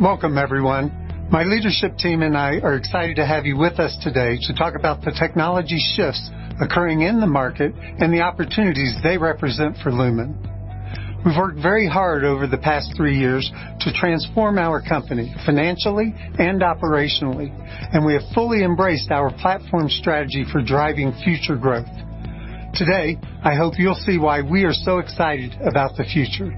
Welcome, everyone. My leadership team and I are excited to have you with us today to talk about the technology shifts occurring in the market and the opportunities they represent for Lumen. We've worked very hard over the past three years to transform our company financially and operationally, and we have fully embraced our platform strategy for driving future growth. Today, I hope you'll see why we are so excited about the future.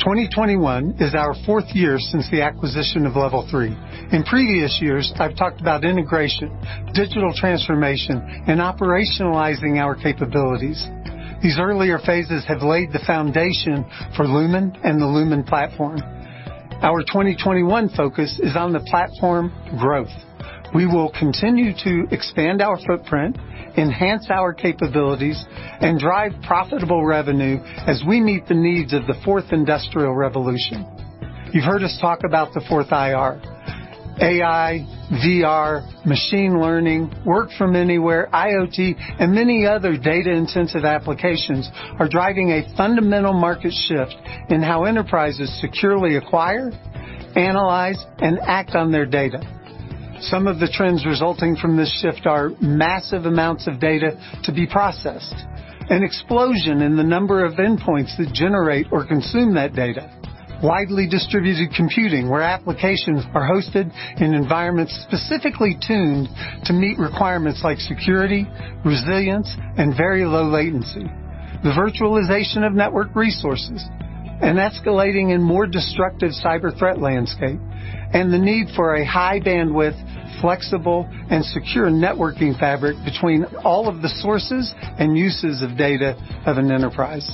2021 is our fourth year since the acquisition of Level 3. In previous years, I've talked about integration, digital transformation, and operationalizing our capabilities. These earlier phases have laid the foundation for Lumen and the Lumen platform. Our 2021 focus is on the platform growth. We will continue to expand our footprint, enhance our capabilities, and drive profitable revenue as we meet the needs of the Fourth Industrial Revolution. You've heard us talk about the Fourth IR. AI, VR, machine learning, work from anywhere, IoT, and many other data-intensive applications are driving a fundamental market shift in how enterprises securely acquire, analyze, and act on their data. Some of the trends resulting from this shift are massive amounts of data to be processed, an explosion in the number of endpoints that generate or consume that data, widely distributed computing where applications are hosted in environments specifically tuned to meet requirements like security, resilience, and very low latency, the virtualization of network resources, an escalating and more destructive cyber threat landscape, and the need for a high-bandwidth, flexible, and secure networking fabric between all of the sources and uses of data of an enterprise.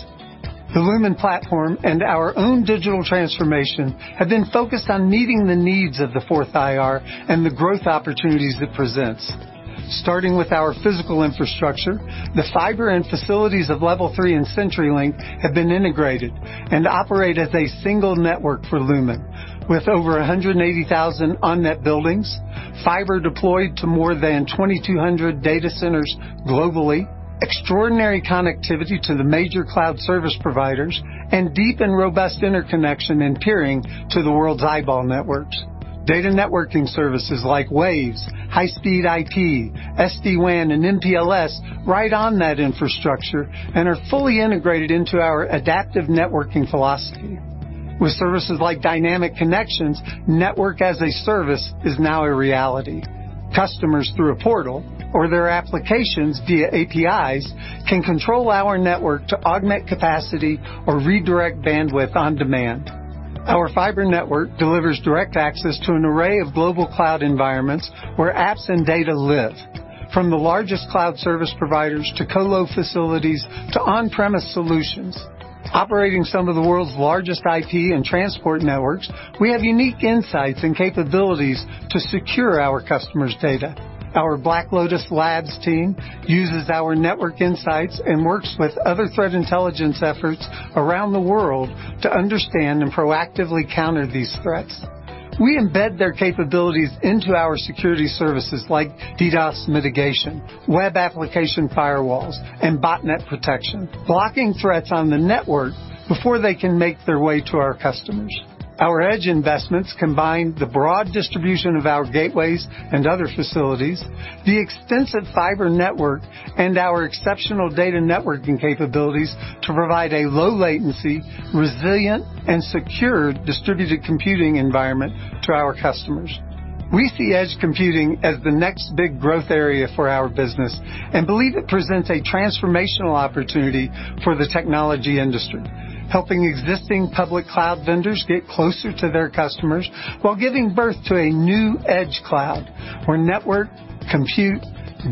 The Lumen platform and our own digital transformation have been focused on meeting the needs of the Fourth IR and the growth opportunities it presents. Starting with our physical infrastructure, the fiber and facilities of Level 3 and CenturyLink have been integrated and operate as a single network for Lumen, with over 180,000 on-net buildings, fiber deployed to more than 2,200 data centers globally, extraordinary connectivity to the major cloud service providers, and deep and robust interconnection and peering to the world's eyeball networks. Data networking services like Waves, High-Speed IP, SD-WAN, and MPLS ride on that infrastructure and are fully integrated into our adaptive networking philosophy. With services like Dynamic Connections, network as a service is now a reality. Customers, through a portal or their applications via APIs, can control our network to augment capacity or redirect bandwidth on demand. Our fiber network delivers direct access to an array of global cloud environments where apps and data live, from the largest cloud service providers to colo facilities to on-premise solutions. Operating some of the world's largest IP and transport networks, we have unique insights and capabilities to secure our customers' data. Our Black Lotus Labs team uses our network insights and works with other threat intelligence efforts around the world to understand and proactively counter these threats. We embed their capabilities into our security services like DDoS mitigation, web application firewalls, and botnet protection, blocking threats on the network before they can make their way to our customers. Our edge investments combine the broad distribution of our gateways and other facilities, the extensive fiber network, and our exceptional data networking capabilities to provide a low-latency, resilient, and secure distributed computing environment to our customers. We see edge computing as the next big growth area for our business and believe it presents a transformational opportunity for the technology industry, helping existing public cloud vendors get closer to their customers while giving birth to a new edge cloud where network, compute,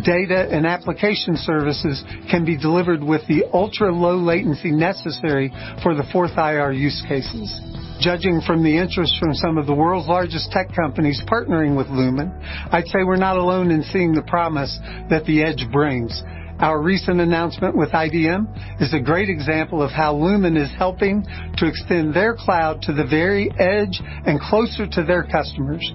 data, and application services can be delivered with the ultra-low latency necessary for the Fourth Industrial Revolution use cases. Judging from the interest from some of the world's largest tech companies partnering with Lumen, I'd say we're not alone in seeing the promise that the edge brings. Our recent announcement with IBM is a great example of how Lumen is helping to extend their cloud to the very edge and closer to their customers.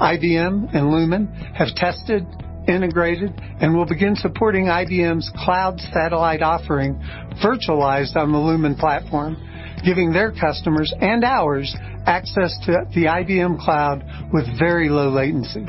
IBM and Lumen have tested, integrated, and will begin supporting IBM's Cloud Satellite offering virtualized on the Lumen platform, giving their customers and ours access to the IBM Cloud with very low latency.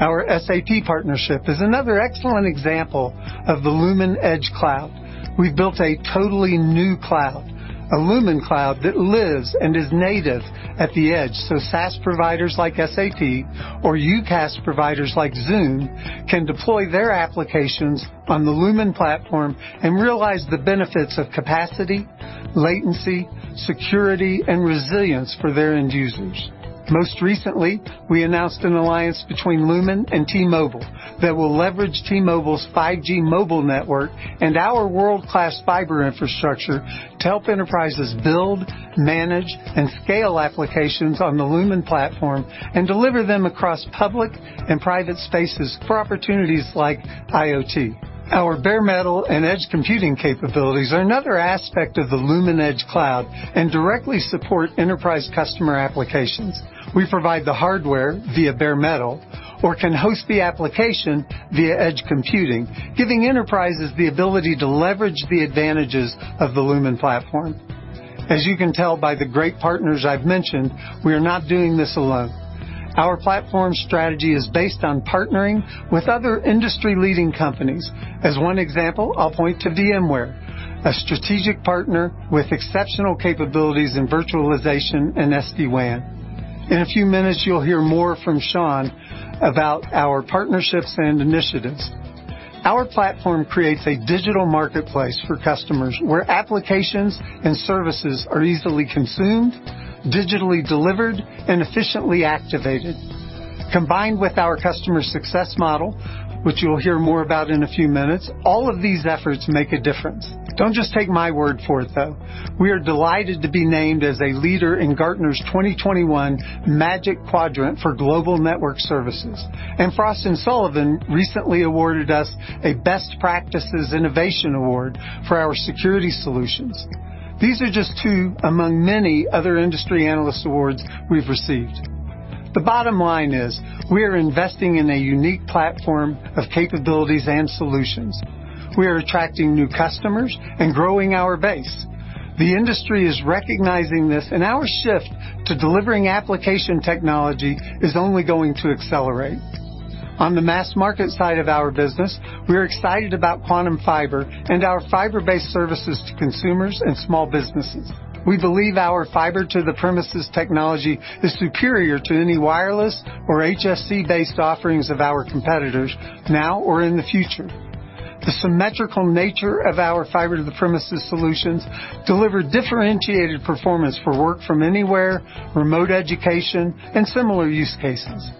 Our SAP partnership is another excellent example of the Lumen Edge Cloud. We've built a totally new cloud, a Lumen cloud that lives and is native at the edge, so SaaS providers like SAP or UCaaS providers like Zoom can deploy their applications on the Lumen platform and realize the benefits of capacity, latency, security, and resilience for their end users. Most recently, we announced an alliance between Lumen and T-Mobile that will leverage T-Mobile's 5G mobile network and our world-class fiber infrastructure to help enterprises build, manage, and scale applications on the Lumen platform and deliver them across public and private spaces for opportunities like IoT. Our bare metal and edge computing capabilities are another aspect of the Lumen Edge Cloud and directly support enterprise customer applications. We provide the hardware via bare metal or can host the application via edge computing, giving enterprises the ability to leverage the advantages of the Lumen platform. As you can tell by the great partners I've mentioned, we are not doing this alone. Our platform strategy is based on partnering with other industry-leading companies. As one example, I'll point to VMware, a strategic partner with exceptional capabilities in virtualization and SD-WAN. In a few minutes, you'll hear more from Shaun about our partnerships and initiatives. Our platform creates a digital marketplace for customers where applications and services are easily consumed, digitally delivered, and efficiently activated. Combined with our customer success model, which you'll hear more about in a few minutes, all of these efforts make a difference. Don't just take my word for it, though. We are delighted to be named as a leader in Gartner's 2021 Magic Quadrant for Global Network Services, and Frost & Sullivan recently awarded us a Best Practices Innovation Award for our security solutions. These are just two among many other industry analyst awards we've received. The bottom line is we are investing in a unique platform of capabilities and solutions. We are attracting new customers and growing our base. The industry is recognizing this, and our shift to delivering application technology is only going to accelerate. On the mass market side of our business, we are excited about Quantum Fiber and our fiber-based services to consumers and small businesses. We believe our fiber-to-the-premises technology is superior to any wireless or HFC-based offerings of our competitors now or in the future. The symmetrical nature of our fiber-to-the-premises solutions delivers differentiated performance for work from anywhere, remote education, and similar use cases.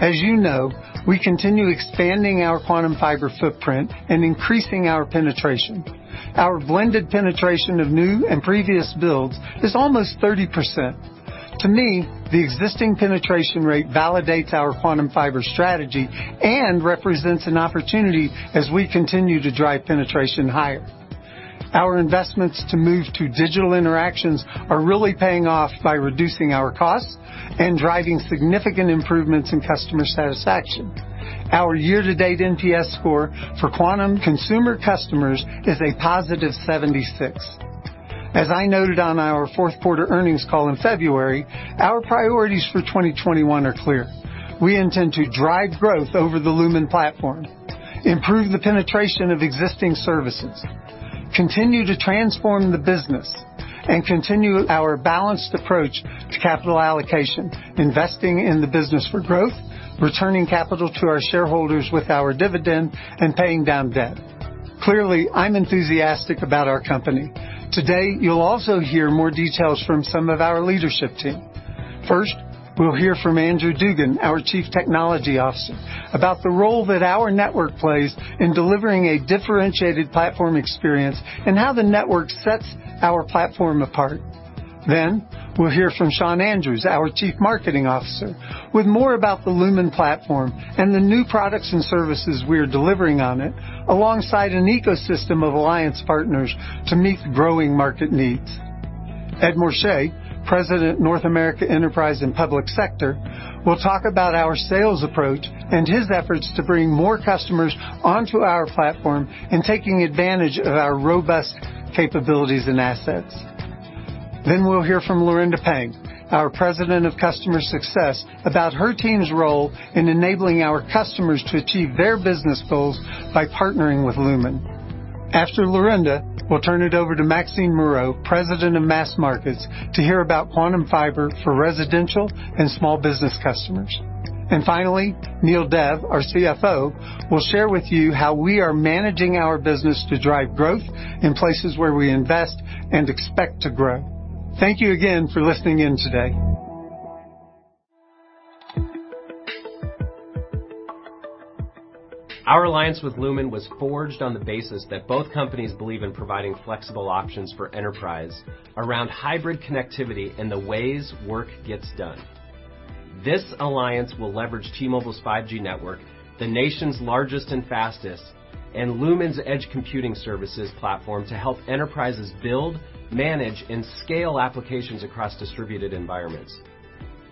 As you know, we continue expanding our Quantum Fiber footprint and increasing our penetration. Our blended penetration of new and previous builds is almost 30%. To me, the existing penetration rate validates our Quantum Fiber strategy and represents an opportunity as we continue to drive penetration higher. Our investments to move to digital interactions are really paying off by reducing our costs and driving significant improvements in customer satisfaction. Our year-to-date NPS score for Quantum consumer customers is a positive 76. As I noted on our fourth-quarter earnings call in February, our priorities for 2021 are clear. We intend to drive growth over the Lumen platform, improve the penetration of existing services, continue to transform the business, and continue our balanced approach to capital allocation, investing in the business for growth, returning capital to our shareholders with our dividend, and paying down debt. Clearly, I'm enthusiastic about our company. Today, you'll also hear more details from some of our leadership team. First, we'll hear from Andrew Dugan, our Chief Technology Officer, about the role that our network plays in delivering a differentiated platform experience and how the network sets our platform apart. Next, we'll hear from Shaun Andrews, our Chief Marketing Officer, with more about the Lumen platform and the new products and services we are delivering on it, alongside an ecosystem of alliance partners to meet the growing market needs. Ed Morshay, President of North America Enterprise and Public Sector, will talk about our sales approach and his efforts to bring more customers onto our platform and taking advantage of our robust capabilities and assets. We will hear from Laurinda Pang, our President of Customer Success, about her team's role in enabling our customers to achieve their business goals by partnering with Lumen. After Lurinda, we will turn it over to Maxine Moreau, President of Mass Markets, to hear about Quantum Fiber for residential and small business customers. Finally, Neel Dev, our CFO, will share with you how we are managing our business to drive growth in places where we invest and expect to grow. Thank you again for listening in today. Our alliance with Lumen was forged on the basis that both companies believe in providing flexible options for enterprise around hybrid connectivity and the ways work gets done. This alliance will leverage T-Mobile's 5G network, the nation's largest and fastest, and Lumen's edge computing services platform to help enterprises build, manage, and scale applications across distributed environments.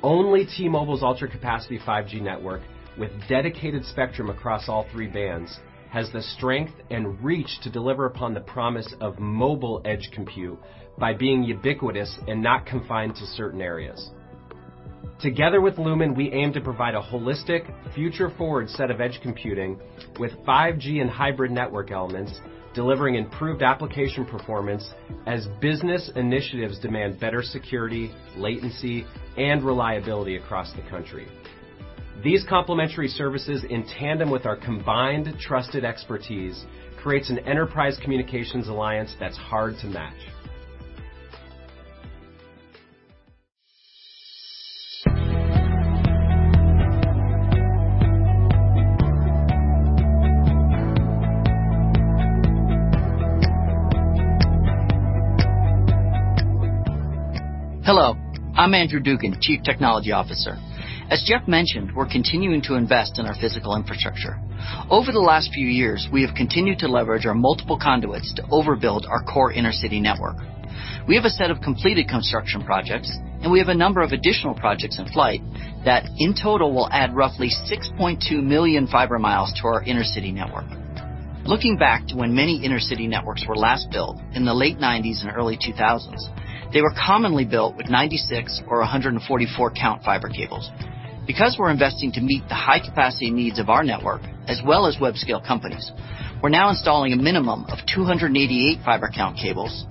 Only T-Mobile's ultra-capacity 5G network with dedicated spectrum across all three bands has the strength and reach to deliver upon the promise of mobile edge compute by being ubiquitous and not confined to certain areas. Together with Lumen, we aim to provide a holistic, future-forward set of edge computing with 5G and hybrid network elements, delivering improved application performance as business initiatives demand better security, latency, and reliability across the country. These complementary services, in tandem with our combined trusted expertise, create an enterprise communications alliance that's hard to match. Hello. I'm Andrew Dugan, Chief Technology Officer. As Jeff mentioned, we're continuing to invest in our physical infrastructure. Over the last few years, we have continued to leverage our multiple conduits to overbuild our core inner-city network. We have a set of completed construction projects, and we have a number of additional projects in flight that, in total, will add roughly 6.2 million fiber miles to our inner-city network. Looking back to when many inner-city networks were last built in the late 1990s and early 2000s, they were commonly built with 96 or 144-count fiber cables. Because we're investing to meet the high-capacity needs of our network, as well as web-scale companies, we're now installing a minimum of 288 fiber-count cables,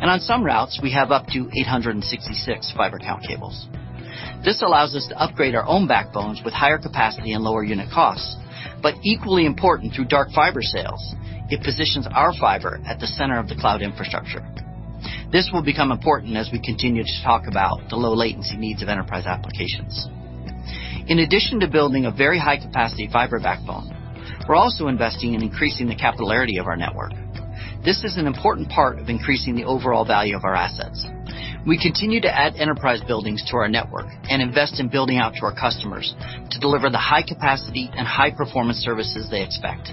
and on some routes, we have up to 866 fiber-count cables. This allows us to upgrade our own backbones with higher capacity and lower unit costs, but equally important through dark fiber sales, it positions our fiber at the center of the cloud infrastructure. This will become important as we continue to talk about the low-latency needs of enterprise applications. In addition to building a very high-capacity fiber backbone, we're also investing in increasing the capillarity of our network. This is an important part of increasing the overall value of our assets. We continue to add enterprise buildings to our network and invest in building out to our customers to deliver the high-capacity and high-performance services they expect.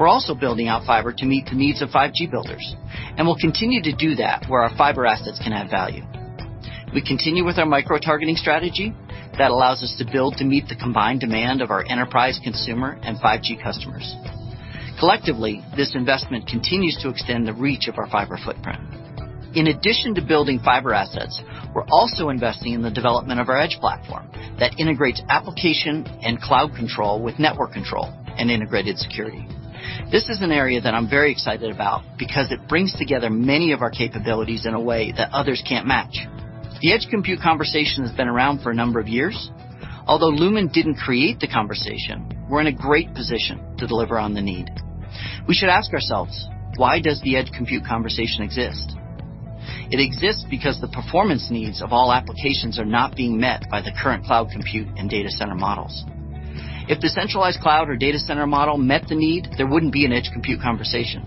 We're also building out fiber to meet the needs of 5G builders, and we'll continue to do that where our fiber assets can add value. We continue with our micro-targeting strategy that allows us to build to meet the combined demand of our enterprise, consumer, and 5G customers. Collectively, this investment continues to extend the reach of our fiber footprint. In addition to building fiber assets, we're also investing in the development of our edge platform that integrates application and cloud control with network control and integrated security. This is an area that I'm very excited about because it brings together many of our capabilities in a way that others can't match. The edge compute conversation has been around for a number of years. Although Lumen didn't create the conversation, we're in a great position to deliver on the need. We should ask ourselves, why does the edge compute conversation exist? It exists because the performance needs of all applications are not being met by the current cloud compute and data center models. If the centralized cloud or data center model met the need, there wouldn't be an edge compute conversation.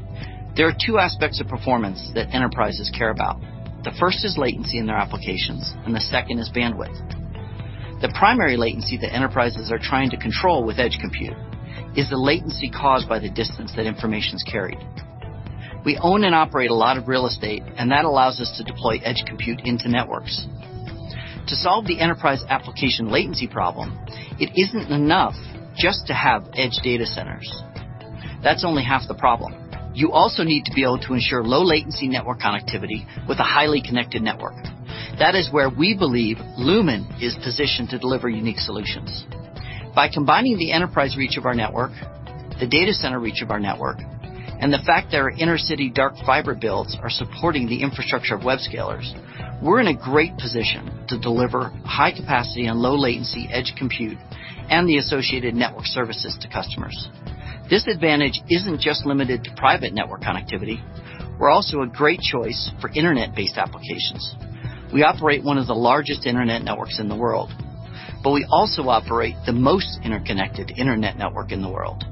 There are two aspects of performance that enterprises care about. The first is latency in their applications, and the second is bandwidth. The primary latency that enterprises are trying to control with edge compute is the latency caused by the distance that information's carried. We own and operate a lot of real estate, and that allows us to deploy edge compute into networks. To solve the enterprise application latency problem, it isn't enough just to have edge data centers. That's only half the problem. You also need to be able to ensure low-latency network connectivity with a highly connected network. That is where we believe Lumen is positioned to deliver unique solutions. By combining the enterprise reach of our network, the data center reach of our network, and the fact that our inner-city dark fiber builds are supporting the infrastructure of web scalers, we're in a great position to deliver high-capacity and low-latency edge compute and the associated network services to customers. This advantage isn't just limited to private network connectivity. We're also a great choice for internet-based applications. We operate one of the largest internet networks in the world, but we also operate the most interconnected internet network in the world.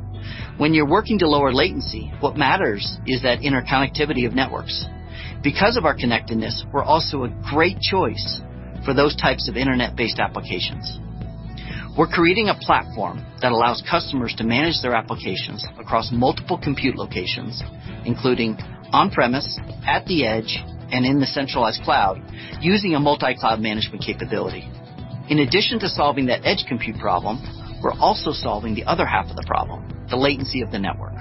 When you're working to lower latency, what matters is that interconnectivity of networks. Because of our connectedness, we're also a great choice for those types of internet-based applications. We're creating a platform that allows customers to manage their applications across multiple compute locations, including on-premise, at the edge, and in the centralized cloud, using a multi-cloud management capability. In addition to solving that edge compute problem, we're also solving the other half of the problem, the latency of the network.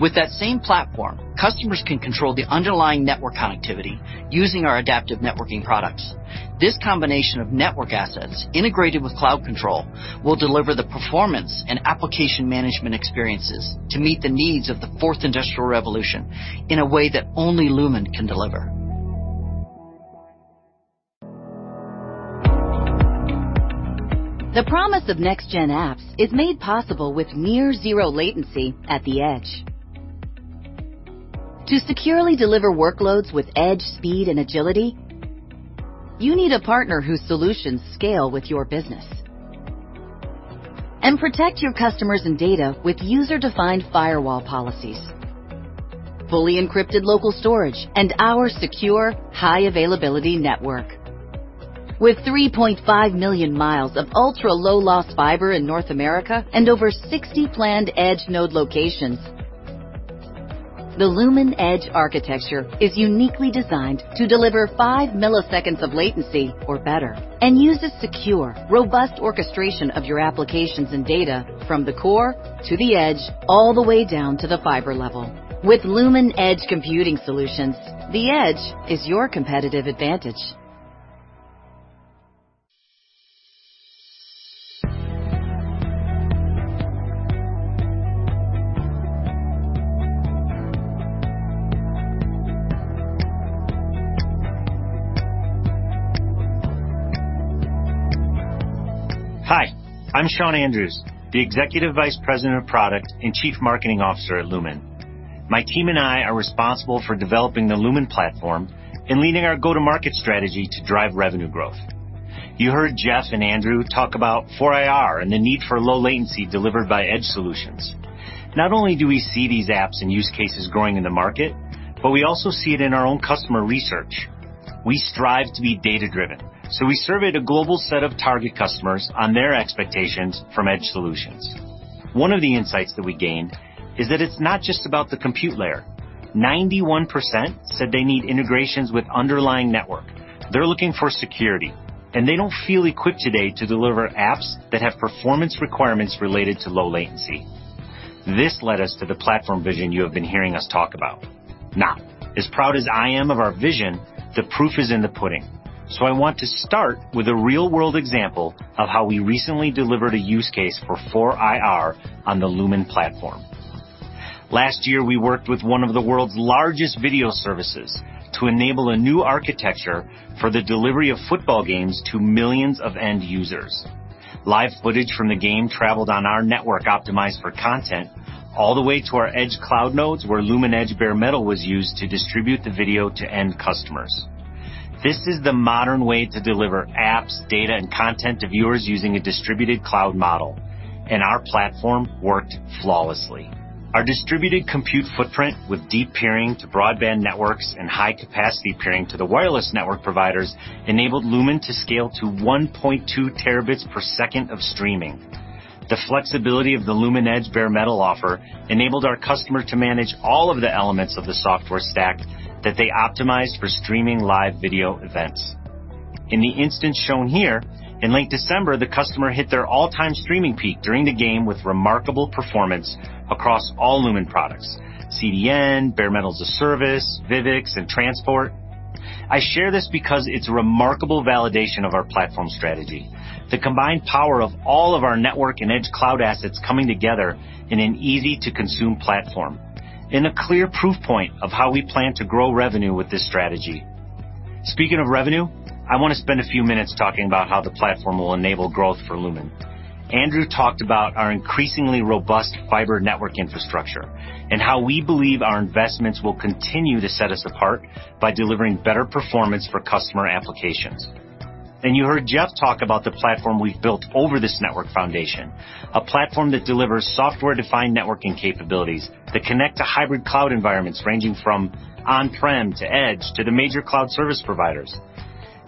With that same platform, customers can control the underlying network connectivity using our adaptive networking products. This combination of network assets integrated with cloud control will deliver the performance and application management experiences to meet the needs of the Fourth Industrial Revolution in a way that only Lumen can deliver. The promise of next-gen apps is made possible with near-zero latency at the edge. To securely deliver workloads with edge speed and agility, you need a partner whose solutions scale with your business and protect your customers and data with user-defined firewall policies, fully encrypted local storage, and our secure, high-availability network. With 3.5 million miles of ultra-low-loss fiber in North America and over 60 planned edge node locations, the Lumen Edge architecture is uniquely designed to deliver five milliseconds of latency or better and uses secure, robust orchestration of your applications and data from the core to the edge all the way down to the fiber level. With Lumen Edge computing solutions, the edge is your competitive advantage. Hi. I'm Shaun Andrews, the Executive Vice President of Product and Chief Marketing Officer at Lumen. My team and I are responsible for developing the Lumen platform and leading our go-to-market strategy to drive revenue growth. You heard Jeff and Andrew talk about 4IR and the need for low-latency delivered by edge solutions. Not only do we see these apps and use cases growing in the market, but we also see it in our own customer research. We strive to be data-driven, so we surveyed a global set of target customers on their expectations from edge solutions. One of the insights that we gained is that it's not just about the compute layer. 91% said they need integrations with underlying network. They're looking for security, and they don't feel equipped today to deliver apps that have performance requirements related to low latency. This led us to the platform vision you have been hearing us talk about. Now, as proud as I am of our vision, the proof is in the pudding. I want to start with a real-world example of how we recently delivered a use case for 4IR on the Lumen platform. Last year, we worked with one of the world's largest video services to enable a new architecture for the delivery of football games to millions of end users. Live footage from the game traveled on our network optimized for content all the way to our edge cloud nodes where Lumen Edge Bare Metal was used to distribute the video to end customers. This is the modern way to deliver apps, data, and content to viewers using a distributed cloud model, and our platform worked flawlessly. Our distributed compute footprint, with deep peering to broadband networks and high-capacity peering to the wireless network providers, enabled Lumen to scale to 1.2 terabits per second of streaming. The flexibility of the Lumen Edge Bare Metal offer enabled our customer to manage all of the elements of the software stack that they optimized for streaming live video events. In the instance shown here, in late December, the customer hit their all-time streaming peak during the game with remarkable performance across all Lumen products: CDN, Bare Metal as a Service, Vivix, and transport. I share this because it's a remarkable validation of our platform strategy. The combined power of all of our network and edge cloud assets coming together in an easy-to-consume platform is a clear proof point of how we plan to grow revenue with this strategy. Speaking of revenue, I want to spend a few minutes talking about how the platform will enable growth for Lumen. Andrew talked about our increasingly robust fiber network infrastructure and how we believe our investments will continue to set us apart by delivering better performance for customer applications. You heard Jeff talk about the platform we've built over this network foundation, a platform that delivers software-defined networking capabilities that connect to hybrid cloud environments ranging from on-prem to edge to the major cloud service providers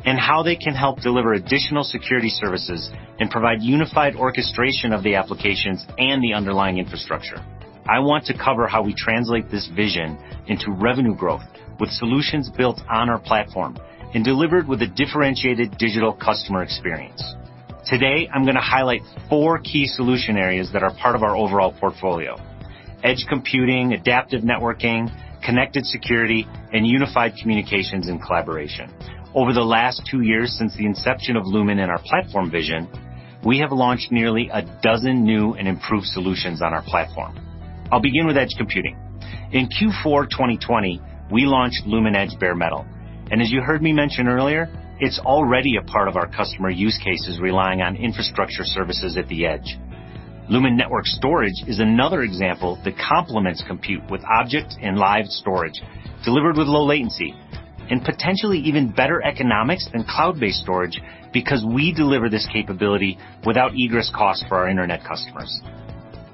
and how they can help deliver additional security services and provide unified orchestration of the applications and the underlying infrastructure. I want to cover how we translate this vision into revenue growth with solutions built on our platform and delivered with a differentiated digital customer experience. Today, I'm going to highlight four key solution areas that are part of our overall portfolio: edge computing, adaptive networking, connected security, and unified communications and collaboration. Over the last two years since the inception of Lumen and our platform vision, we have launched nearly a dozen new and improved solutions on our platform. I'll begin with edge computing. In Q4 2020, we launched Lumen Edge Bare Metal. As you heard me mention earlier, it's already a part of our customer use cases relying on infrastructure services at the edge. Lumen Network Storage is another example that complements compute with object and live storage delivered with low latency and potentially even better economics than cloud-based storage because we deliver this capability without egress costs for our internet customers.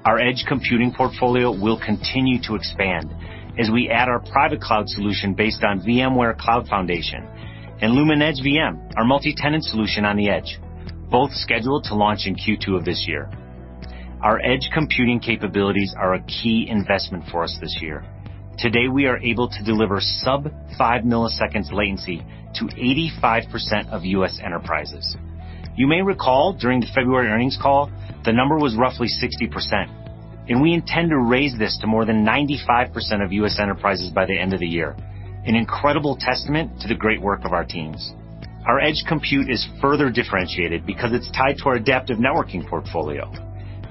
Our edge computing portfolio will continue to expand as we add our private cloud solution based on VMware Cloud Foundation and Lumen Edge VM, our multi-tenant solution on the edge, both scheduled to launch in Q2 of this year. Our edge computing capabilities are a key investment for us this year. Today, we are able to deliver sub-five milliseconds latency to 85% of US enterprises. You may recall during the February earnings call, the number was roughly 60%, and we intend to raise this to more than 95% of US enterprises by the end of the year, an incredible testament to the great work of our teams. Our edge compute is further differentiated because it's tied to our adaptive networking portfolio.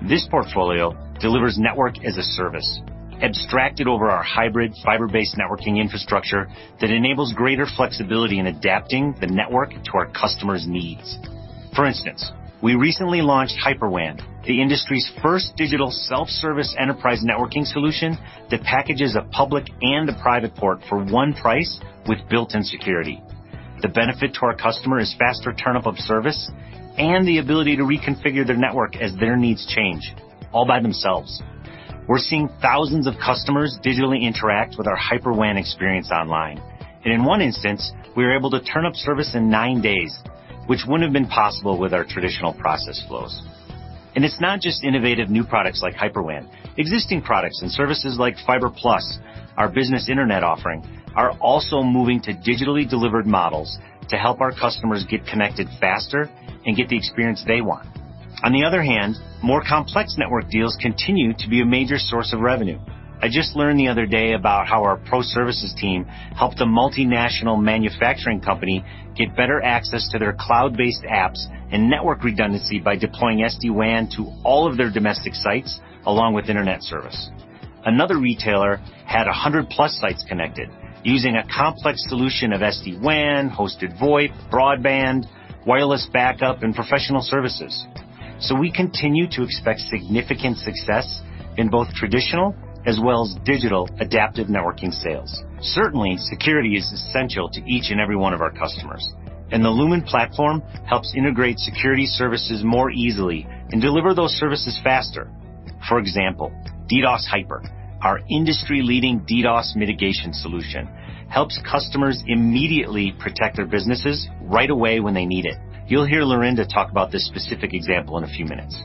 This portfolio delivers network as a service, abstracted over our hybrid fiber-based networking infrastructure that enables greater flexibility in adapting the network to our customers' needs. For instance, we recently launched HyperWand, the industry's first digital self-service enterprise networking solution that packages a public and a private port for one price with built-in security. The benefit to our customer is faster turn-up of service and the ability to reconfigure their network as their needs change all by themselves. We're seeing thousands of customers digitally interact with our HyperWand experience online. In one instance, we were able to turn up service in nine days, which would not have been possible with our traditional process flows. It is not just innovative new products like HyperWand. Existing products and services like Fiber Plus, our business internet offering, are also moving to digitally delivered models to help our customers get connected faster and get the experience they want. On the other hand, more complex network deals continue to be a major source of revenue. I just learned the other day about how our pro services team helped a multinational manufacturing company get better access to their cloud-based apps and network redundancy by deploying SD-WAN to all of their domestic sites along with internet service. Another retailer had 100-plus sites connected using a complex solution of SD-WAN, hosted VoIP, broadband, wireless backup, and professional services. We continue to expect significant success in both traditional as well as digital adaptive networking sales. Certainly, security is essential to each and every one of our customers, and the Lumen platform helps integrate security services more easily and deliver those services faster. For example, DDoS Hyper, our industry-leading DDoS mitigation solution, helps customers immediately protect their businesses right away when they need it. You'll hear Lorenza talk about this specific example in a few minutes.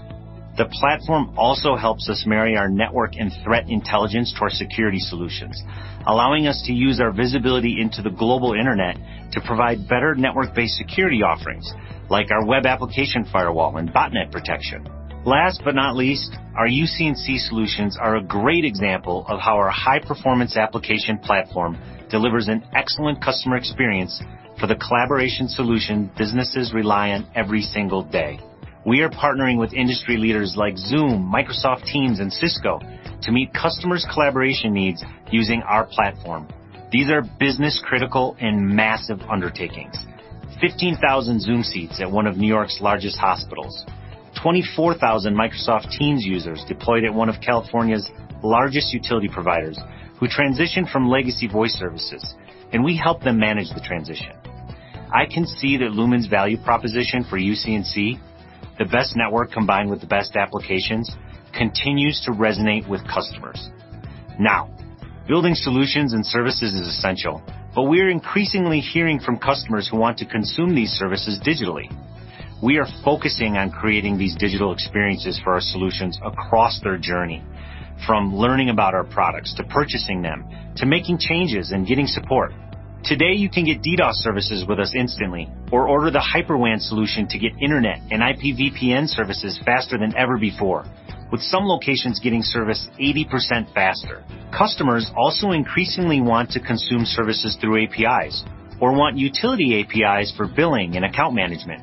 The platform also helps us marry our network and threat intelligence to our security solutions, allowing us to use our visibility into the global internet to provide better network-based security offerings like our web application firewall and botnet protection. Last but not least, our UC&C solutions are a great example of how our high-performance application platform delivers an excellent customer experience for the collaboration solution businesses rely on every single day. We are partnering with industry leaders like Zoom, Microsoft Teams, and Cisco to meet customers' collaboration needs using our platform. These are business-critical and massive undertakings: 15,000 Zoom seats at one of New York's largest hospitals, 24,000 Microsoft Teams users deployed at one of California's largest utility providers who transitioned from legacy voice services, and we help them manage the transition. I can see that Lumen's value proposition for UC&C, the best network combined with the best applications, continues to resonate with customers. Now, building solutions and services is essential, but we are increasingly hearing from customers who want to consume these services digitally. We are focusing on creating these digital experiences for our solutions across their journey, from learning about our products to purchasing them to making changes and getting support. Today, you can get DDoS services with us instantly or order the HyperWand solution to get internet and IPVPN services faster than ever before, with some locations getting service 80% faster. Customers also increasingly want to consume services through APIs or want utility APIs for billing and account management.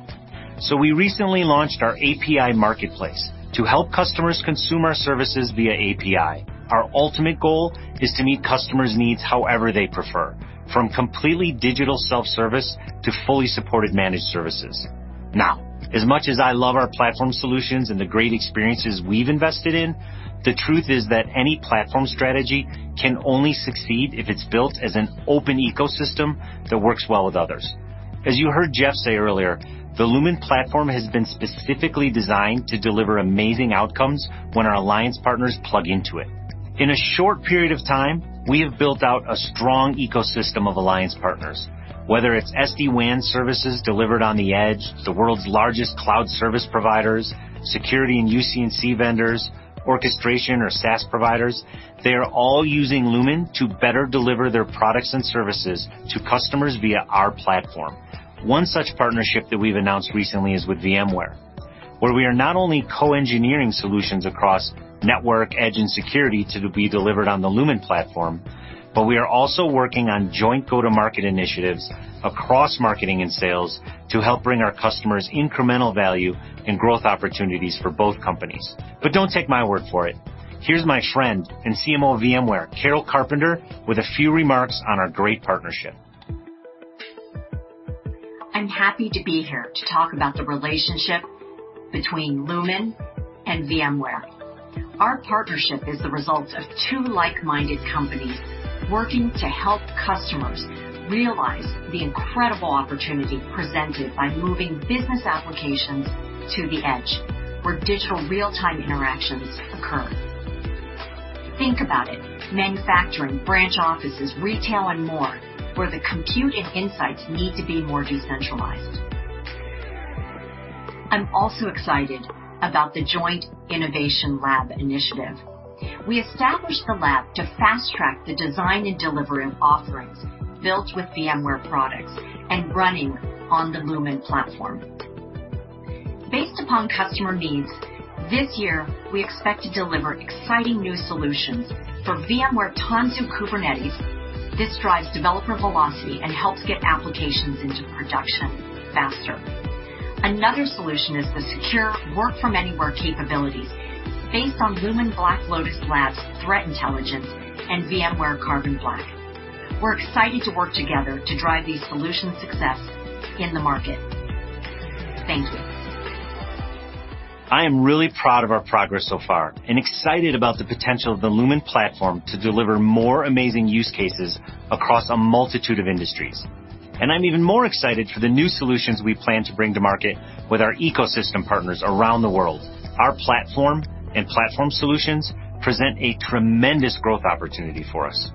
We recently launched our API Marketplace to help customers consume our services via API. Our ultimate goal is to meet customers' needs however they prefer, from completely digital self-service to fully supported managed services. Now, as much as I love our platform solutions and the great experiences we've invested in, the truth is that any platform strategy can only succeed if it's built as an open ecosystem that works well with others. As you heard Jeff say earlier, the Lumen platform has been specifically designed to deliver amazing outcomes when our alliance partners plug into it. In a short period of time, we have built out a strong ecosystem of alliance partners. Whether it's SD-WAN services delivered on the edge, the world's largest cloud service providers, security and UC&C vendors, orchestration or SaaS providers, they are all using Lumen to better deliver their products and services to customers via our platform. One such partnership that we've announced recently is with VMware, where we are not only co-engineering solutions across network, edge, and security to be delivered on the Lumen platform, but we are also working on joint go-to-market initiatives across marketing and sales to help bring our customers incremental value and growth opportunities for both companies. Do not take my word for it. Here's my friend and CMO of VMware, Carol Carpenter, with a few remarks on our great partnership. I'm happy to be here to talk about the relationship between Lumen and VMware. Our partnership is the result of two like-minded companies working to help customers realize the incredible opportunity presented by moving business applications to the edge, where digital real-time interactions occur. Think about it: manufacturing, branch offices, retail, and more, where the compute and insights need to be more decentralized. I'm also excited about the Joint Innovation Lab initiative. We established the lab to fast-track the design and delivery of offerings built with VMware products and running on the Lumen platform. Based upon customer needs, this year, we expect to deliver exciting new solutions for VMware Tanzu Kubernetes. This drives developer velocity and helps get applications into production faster. Another solution is the secure Work-From-Anywhere capabilities based on Lumen Black Lotus Labs' threat intelligence and VMware Carbon Black. We're excited to work together to drive these solutions' success in the market. Thank you. I am really proud of our progress so far and excited about the potential of the Lumen Platform to deliver more amazing use cases across a multitude of industries. I am even more excited for the new solutions we plan to bring to market with our ecosystem partners around the world. Our platform and platform solutions present a tremendous growth opportunity for us.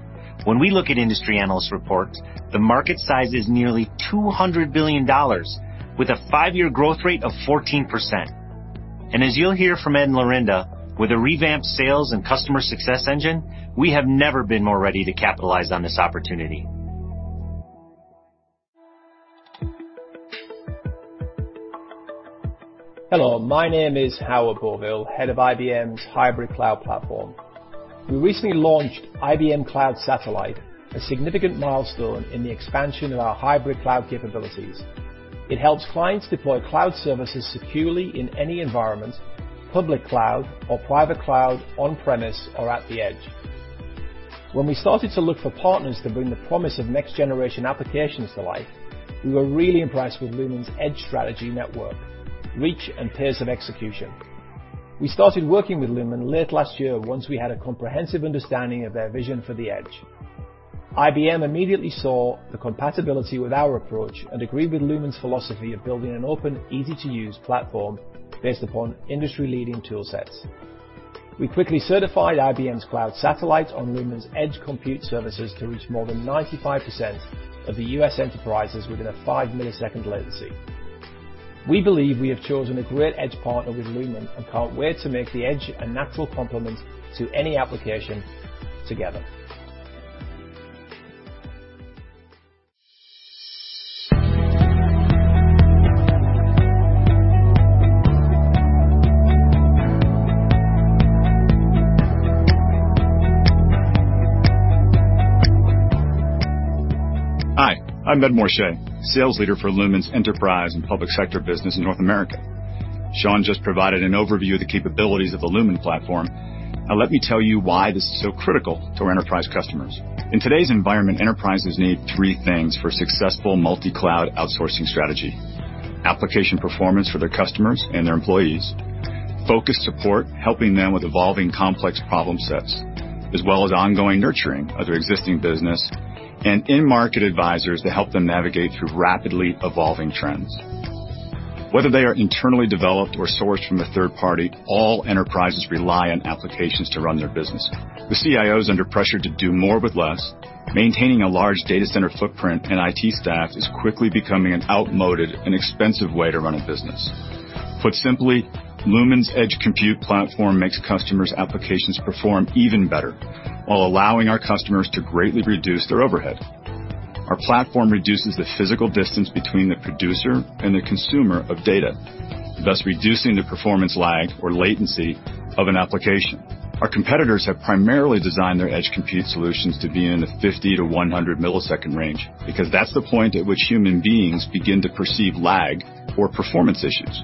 When we look at industry analyst reports, the market size is nearly $200 billion, with a five-year growth rate of 14%. As you'll hear from Ed and Lurinda, with a revamped sales and customer success engine, we have never been more ready to capitalize on this opportunity. Hello, my name is Howard Boville, Head of IBM's Hybrid Cloud Platform. We recently launched IBM Cloud Satellite, a significant milestone in the expansion of our hybrid cloud capabilities. It helps clients deploy cloud services securely in any environment, public cloud or private cloud, on-premise or at the edge. When we started to look for partners to bring the promise of next-generation applications to life, we were really impressed with Lumen's edge strategy, network, reach, and pace of execution. We started working with Lumen late last year once we had a comprehensive understanding of their vision for the edge. IBM immediately saw the compatibility with our approach and agreed with Lumen's philosophy of building an open, easy-to-use platform based upon industry-leading toolsets. We quickly certified IBM Cloud Satellite on Lumen's edge compute services to reach more than 95% of the US enterprises within a five-millisecond latency. We believe we have chosen a great edge partner with Lumen and can't wait to make the edge a natural complement to any application together. Hi, I'm Ed Morshay, Sales Leader for Lumen's enterprise and public sector business in North America. Shaun just provided an overview of the capabilities of the Lumen platform, and let me tell you why this is so critical to our enterprise customers. In today's environment, enterprises need three things for a successful multi-cloud outsourcing strategy: application performance for their customers and their employees, focused support helping them with evolving complex problem sets, as well as ongoing nurturing of their existing business, and in-market advisors to help them navigate through rapidly evolving trends. Whether they are internally developed or sourced from a third party, all enterprises rely on applications to run their business. The CIO is under pressure to do more with less. Maintaining a large data center footprint and IT staff is quickly becoming an outmoded and expensive way to run a business. Put simply, Lumen's edge compute platform makes customers' applications perform even better while allowing our customers to greatly reduce their overhead. Our platform reduces the physical distance between the producer and the consumer of data, thus reducing the performance lag or latency of an application. Our competitors have primarily designed their edge compute solutions to be in the 50-100 millisecond range because that's the point at which human beings begin to perceive lag or performance issues.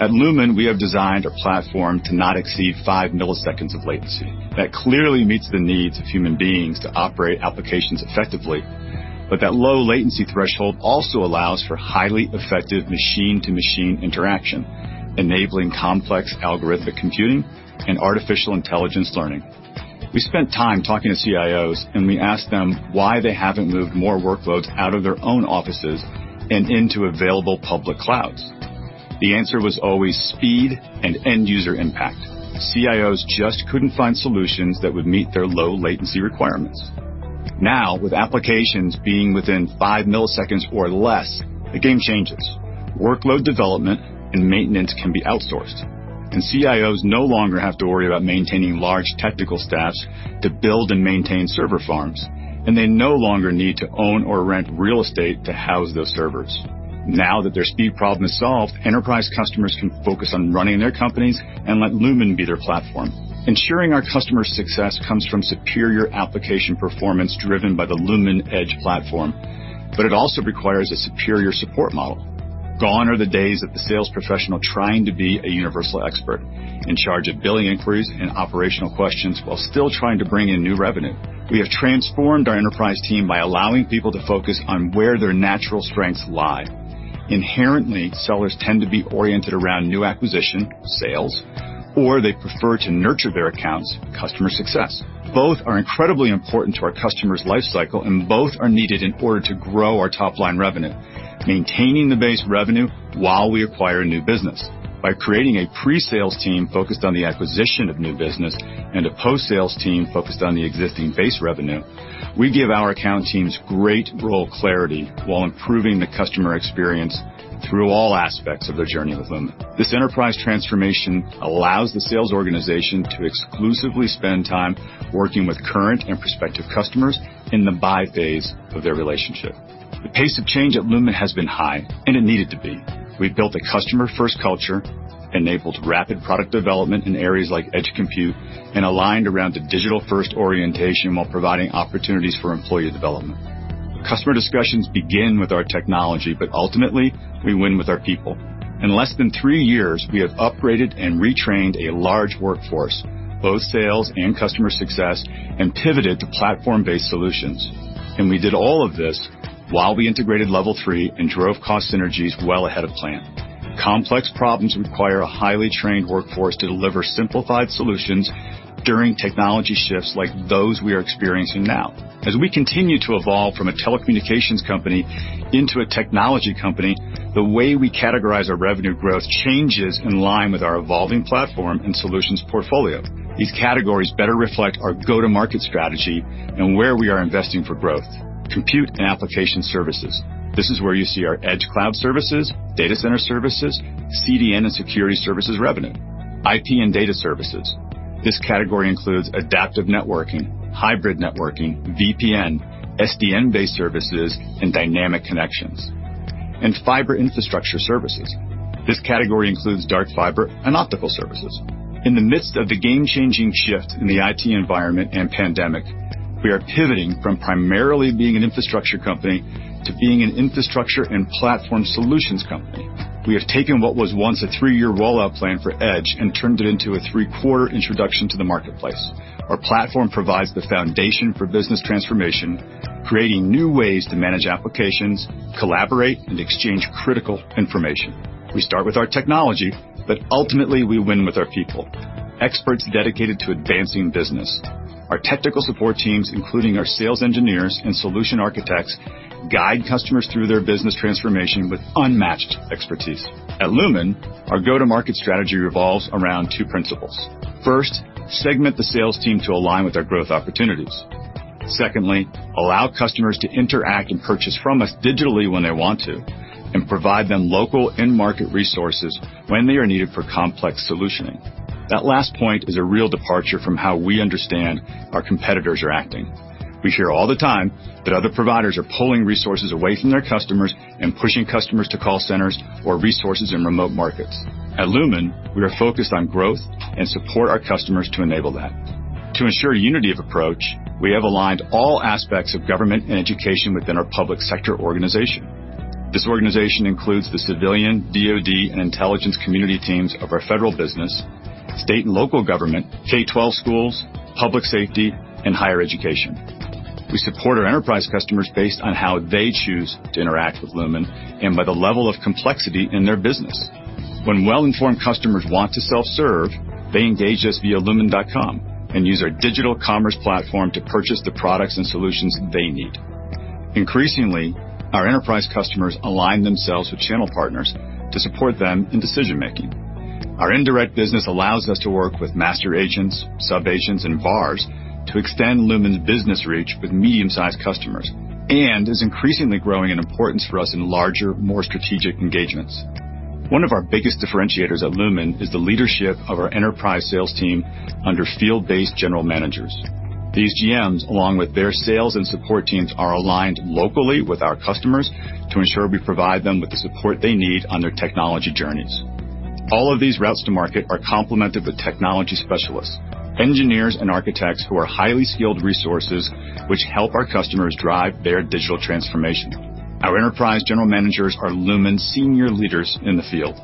At Lumen, we have designed our platform to not exceed five milliseconds of latency. That clearly meets the needs of human beings to operate applications effectively, but that low latency threshold also allows for highly effective machine-to-machine interaction, enabling complex algorithmic computing and artificial intelligence learning. We spent time talking to CIOs, and we asked them why they haven't moved more workloads out of their own offices and into available public clouds. The answer was always speed and end-user impact. CIOs just could not find solutions that would meet their low latency requirements. Now, with applications being within five milliseconds or less, the game changes. Workload development and maintenance can be outsourced, and CIOs no longer have to worry about maintaining large technical staffs to build and maintain server farms, and they no longer need to own or rent real estate to house those servers. Now that their speed problem is solved, enterprise customers can focus on running their companies and let Lumen be their platform. Ensuring our customers' success comes from superior application performance driven by the Lumen edge platform, but it also requires a superior support model. Gone are the days of the sales professional trying to be a universal expert in charge of billing inquiries and operational questions while still trying to bring in new revenue. We have transformed our enterprise team by allowing people to focus on where their natural strengths lie. Inherently, sellers tend to be oriented around new acquisition, sales, or they prefer to nurture their accounts, customer success. Both are incredibly important to our customer's lifecycle, and both are needed in order to grow our top-line revenue, maintaining the base revenue while we acquire new business. By creating a pre-sales team focused on the acquisition of new business and a post-sales team focused on the existing base revenue, we give our account teams great role clarity while improving the customer experience through all aspects of their journey with Lumen. This enterprise transformation allows the sales organization to exclusively spend time working with current and prospective customers in the buy phase of their relationship. The pace of change at Lumen has been high, and it needed to be. We've built a customer-first culture, enabled rapid product development in areas like edge compute, and aligned around the digital-first orientation while providing opportunities for employee development. Customer discussions begin with our technology, but ultimately, we win with our people. In less than three years, we have upgraded and retrained a large workforce, both sales and customer success, and pivoted to platform-based solutions. We did all of this while we integrated Level 3 and drove cost synergies well ahead of plan. Complex problems require a highly trained workforce to deliver simplified solutions during technology shifts like those we are experiencing now. As we continue to evolve from a telecommunications company into a technology company, the way we categorize our revenue growth changes in line with our evolving platform and solutions portfolio. These categories better reflect our go-to-market strategy and where we are investing for growth. Compute and application services. This is where you see our edge cloud services, data center services, CDN and security services revenue. IP and data services. This category includes adaptive networking, hybrid networking, VPN, SDN-based services, and dynamic connections. Fiber infrastructure services. This category includes dark fiber and optical services. In the midst of the game-changing shift in the IT environment and pandemic, we are pivoting from primarily being an infrastructure company to being an infrastructure and platform solutions company. We have taken what was once a three-year rollout plan for edge and turned it into a three-quarter introduction to the marketplace. Our platform provides the foundation for business transformation, creating new ways to manage applications, collaborate, and exchange critical information. We start with our technology, but ultimately, we win with our people, experts dedicated to advancing business. Our technical support teams, including our sales engineers and solution architects, guide customers through their business transformation with unmatched expertise. At Lumen, our go-to-market strategy revolves around two principles. First, segment the sales team to align with our growth opportunities. Secondly, allow customers to interact and purchase from us digitally when they want to, and provide them local in-market resources when they are needed for complex solutioning. That last point is a real departure from how we understand our competitors are acting. We hear all the time that other providers are pulling resources away from their customers and pushing customers to call centers or resources in remote markets. At Lumen, we are focused on growth and support our customers to enable that. To ensure unity of approach, we have aligned all aspects of government and education within our public sector organization. This organization includes the civilian, DOD, and intelligence community teams of our federal business, state and local government, K-12 schools, public safety, and higher education. We support our enterprise customers based on how they choose to interact with Lumen and by the level of complexity in their business. When well-informed customers want to self-serve, they engage us via lumen.com and use our digital commerce platform to purchase the products and solutions they need. Increasingly, our enterprise customers align themselves with channel partners to support them in decision-making. Our indirect business allows us to work with master agents, sub-agents, and VARs to extend Lumen's business reach with medium-sized customers and is increasingly growing in importance for us in larger, more strategic engagements. One of our biggest differentiators at Lumen is the leadership of our enterprise sales team under field-based general managers. These GMs, along with their sales and support teams, are aligned locally with our customers to ensure we provide them with the support they need on their technology journeys. All of these routes to market are complemented with technology specialists, engineers, and architects who are highly skilled resources, which help our customers drive their digital transformation. Our enterprise general managers are Lumen's senior leaders in the field.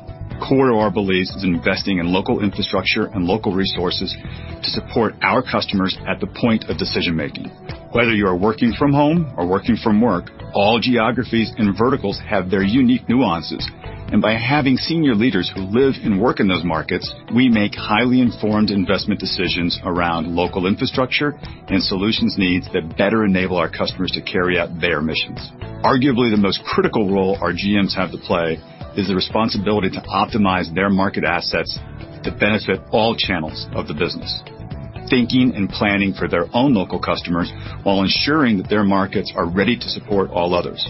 Core of our beliefs is investing in local infrastructure and local resources to support our customers at the point of decision-making. Whether you are working from home or working from work, all geographies and verticals have their unique nuances. By having senior leaders who live and work in those markets, we make highly informed investment decisions around local infrastructure and solutions needs that better enable our customers to carry out their missions. Arguably, the most critical role our GMs have to play is the responsibility to optimize their market assets to benefit all channels of the business, thinking and planning for their own local customers while ensuring that their markets are ready to support all others.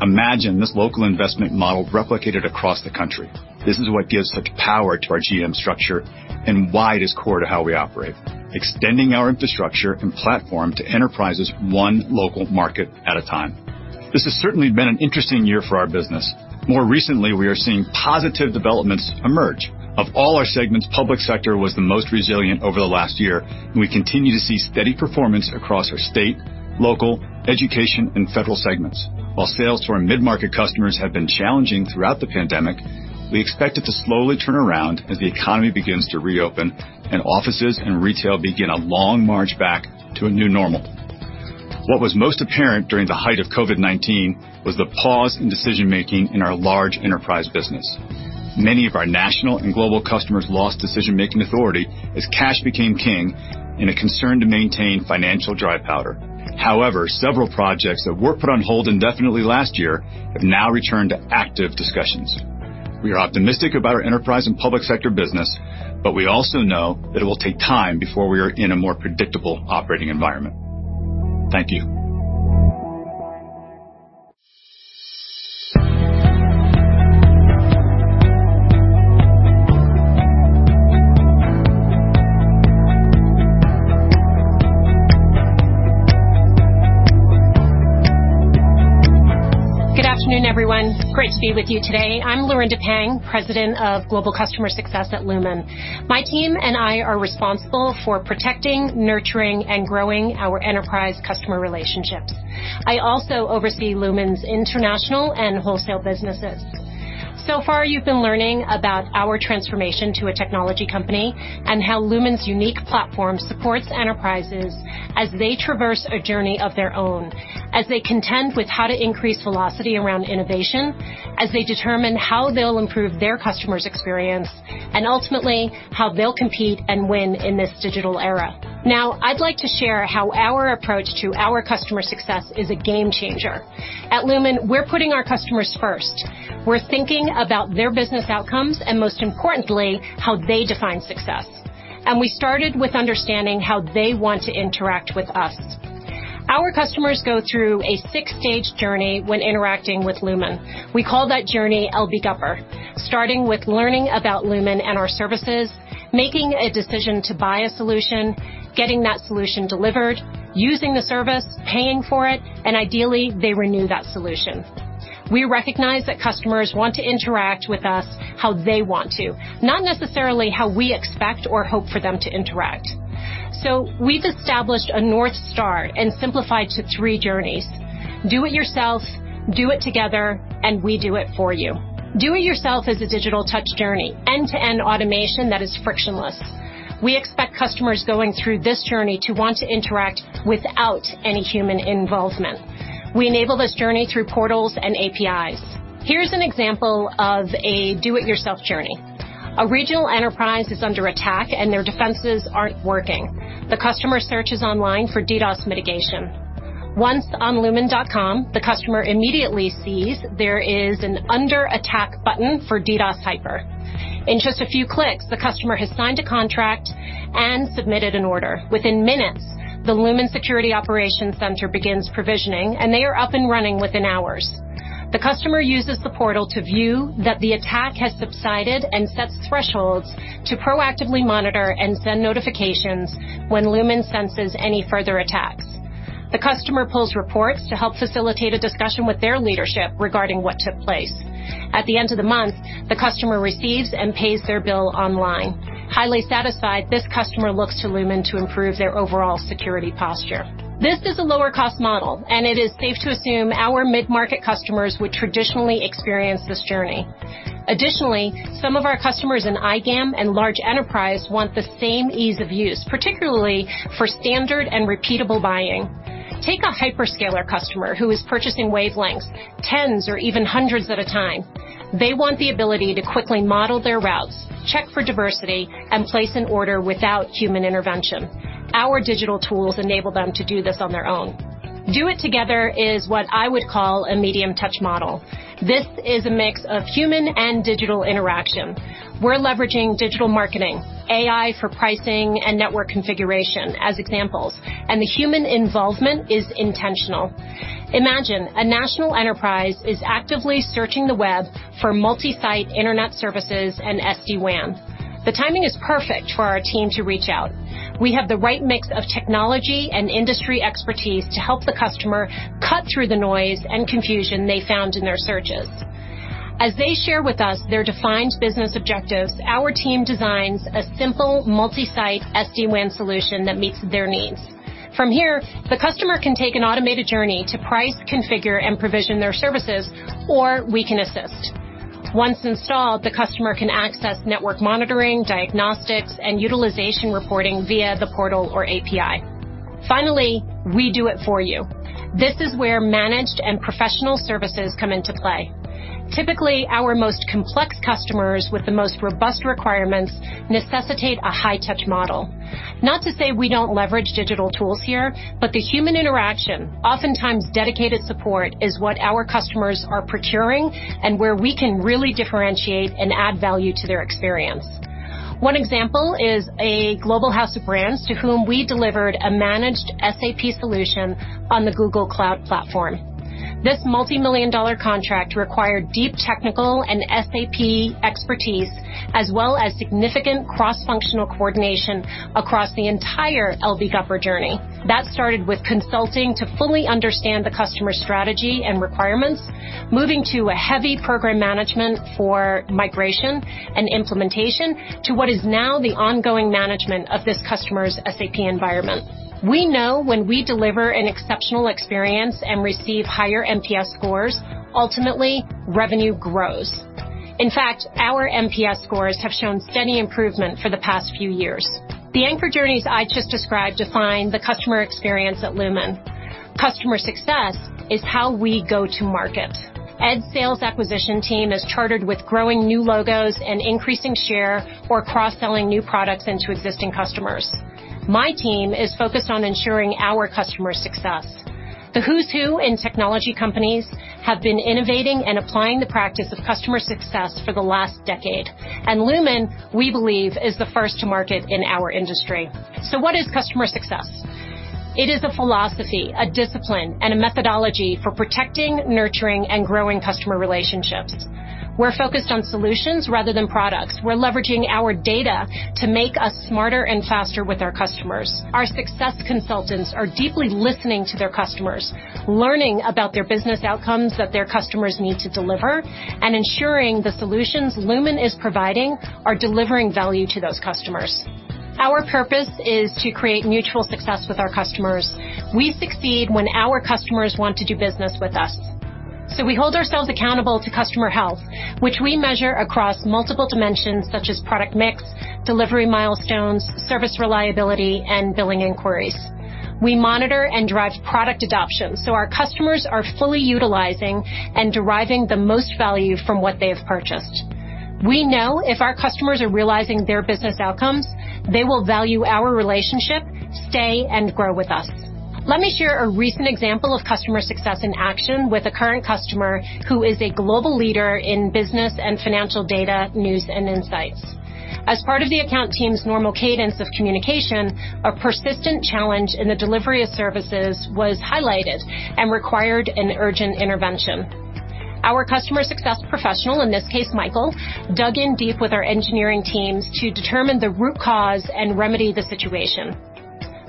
Imagine this local investment model replicated across the country. This is what gives such power to our GM structure and why it is core to how we operate, extending our infrastructure and platform to enterprises one local market at a time. This has certainly been an interesting year for our business. More recently, we are seeing positive developments emerge. Of all our segments, public sector was the most resilient over the last year, and we continue to see steady performance across our state, local, education, and federal segments. While sales for mid-market customers have been challenging throughout the pandemic, we expect it to slowly turn around as the economy begins to reopen and offices and retail begin a long march back to a new normal. What was most apparent during the height of COVID-19 was the pause in decision-making in our large enterprise business. Many of our national and global customers lost decision-making authority as cash became king and a concern to maintain financial dry powder. However, several projects that were put on hold indefinitely last year have now returned to active discussions. We are optimistic about our enterprise and public sector business, but we also know that it will take time before we are in a more predictable operating environment. Thank you. Good afternoon, everyone. Great to be with you today. I'm Laurinda Pang, President of Global Customer Success at Lumen. My team and I are responsible for protecting, nurturing, and growing our enterprise customer relationships. I also oversee Lumen's international and wholesale businesses. So far, you've been learning about our transformation to a technology company and how Lumen's unique platform supports enterprises as they traverse a journey of their own, as they contend with how to increase velocity around innovation, as they determine how they'll improve their customers' experience, and ultimately, how they'll compete and win in this digital era. Now, I'd like to share how our approach to our customer success is a game changer. At Lumen, we're putting our customers first. We're thinking about their business outcomes and, most importantly, how they define success. We started with understanding how they want to interact with us. Our customers go through a six-stage journey when interacting with Lumen. We call that journey Elbig Upper, starting with learning about Lumen and our services, making a decision to buy a solution, getting that solution delivered, using the service, paying for it, and ideally, they renew that solution. We recognize that customers want to interact with us how they want to, not necessarily how we expect or hope for them to interact. We have established a North Star and simplified to three journeys: do it yourself, do it together, and we do it for you. Do it yourself is a digital touch journey, end-to-end automation that is frictionless. We expect customers going through this journey to want to interact without any human involvement. We enable this journey through portals and APIs. Here is an example of a do-it-yourself journey. A regional enterprise is under attack, and their defenses are not working. The customer searches online for DDoS mitigation. Once on lumen.com, the customer immediately sees there is an under attack button for DDoS Hyper. In just a few clicks, the customer has signed a contract and submitted an order. Within minutes, the Lumen Security Operations Center begins provisioning, and they are up and running within hours. The customer uses the portal to view that the attack has subsided and sets thresholds to proactively monitor and send notifications when Lumen senses any further attacks. The customer pulls reports to help facilitate a discussion with their leadership regarding what took place. At the end of the month, the customer receives and pays their bill online. Highly satisfied, this customer looks to Lumen to improve their overall security posture. This is a lower-cost model, and it is safe to assume our mid-market customers would traditionally experience this journey. Additionally, some of our customers in IBM and large enterprise want the same ease of use, particularly for standard and repeatable buying. Take a hyperscaler customer who is purchasing wavelengths, tens or even hundreds at a time. They want the ability to quickly model their routes, check for diversity, and place an order without human intervention. Our digital tools enable them to do this on their own. Do it together is what I would call a medium-touch model. This is a mix of human and digital interaction. We're leveraging digital marketing, AI for pricing and network configuration as examples, and the human involvement is intentional. Imagine a national enterprise is actively searching the web for multi-site internet services and SD-WAN. The timing is perfect for our team to reach out. We have the right mix of technology and industry expertise to help the customer cut through the noise and confusion they found in their searches. As they share with us their defined business objectives, our team designs a simple multi-site SD-WAN solution that meets their needs. From here, the customer can take an automated journey to price, configure, and provision their services, or we can assist. Once installed, the customer can access network monitoring, diagnostics, and utilization reporting via the portal or API. Finally, we do it for you. This is where managed and professional services come into play. Typically, our most complex customers with the most robust requirements necessitate a high-touch model. Not to say we do not leverage digital tools here, but the human interaction, oftentimes dedicated support, is what our customers are procuring and where we can really differentiate and add value to their experience. One example is a global house of brands to whom we delivered a managed SAP solution on the Google Cloud platform. This multi-million-dollar contract required deep technical and SAP expertise, as well as significant cross-functional coordination across the entire Lumen customer journey. That started with consulting to fully understand the customer strategy and requirements, moving to a heavy program management for migration and implementation to what is now the ongoing management of this customer's SAP environment. We know when we deliver an exceptional experience and receive higher NPS scores, ultimately, revenue grows. In fact, our NPS scores have shown steady improvement for the past few years. The anchor journeys I just described define the customer experience at Lumen. Customer success is how we go to market. Ed's sales acquisition team is chartered with growing new logos and increasing share or cross-selling new products into existing customers. My team is focused on ensuring our customer success. The who's who in technology companies have been innovating and applying the practice of customer success for the last decade, and Lumen, we believe, is the first to market in our industry. What is customer success? It is a philosophy, a discipline, and a methodology for protecting, nurturing, and growing customer relationships. We're focused on solutions rather than products. We're leveraging our data to make us smarter and faster with our customers. Our success consultants are deeply listening to their customers, learning about their business outcomes that their customers need to deliver, and ensuring the solutions Lumen is providing are delivering value to those customers. Our purpose is to create mutual success with our customers. We succeed when our customers want to do business with us. We hold ourselves accountable to customer health, which we measure across multiple dimensions such as product mix, delivery milestones, service reliability, and billing inquiries. We monitor and drive product adoption so our customers are fully utilizing and deriving the most value from what they have purchased. We know if our customers are realizing their business outcomes, they will value our relationship, stay, and grow with us. Let me share a recent example of customer success in action with a current customer who is a global leader in business and financial data, news, and insights. As part of the account team's normal cadence of communication, a persistent challenge in the delivery of services was highlighted and required an urgent intervention. Our customer success professional, in this case, Michael, dug in deep with our engineering teams to determine the root cause and remedy the situation.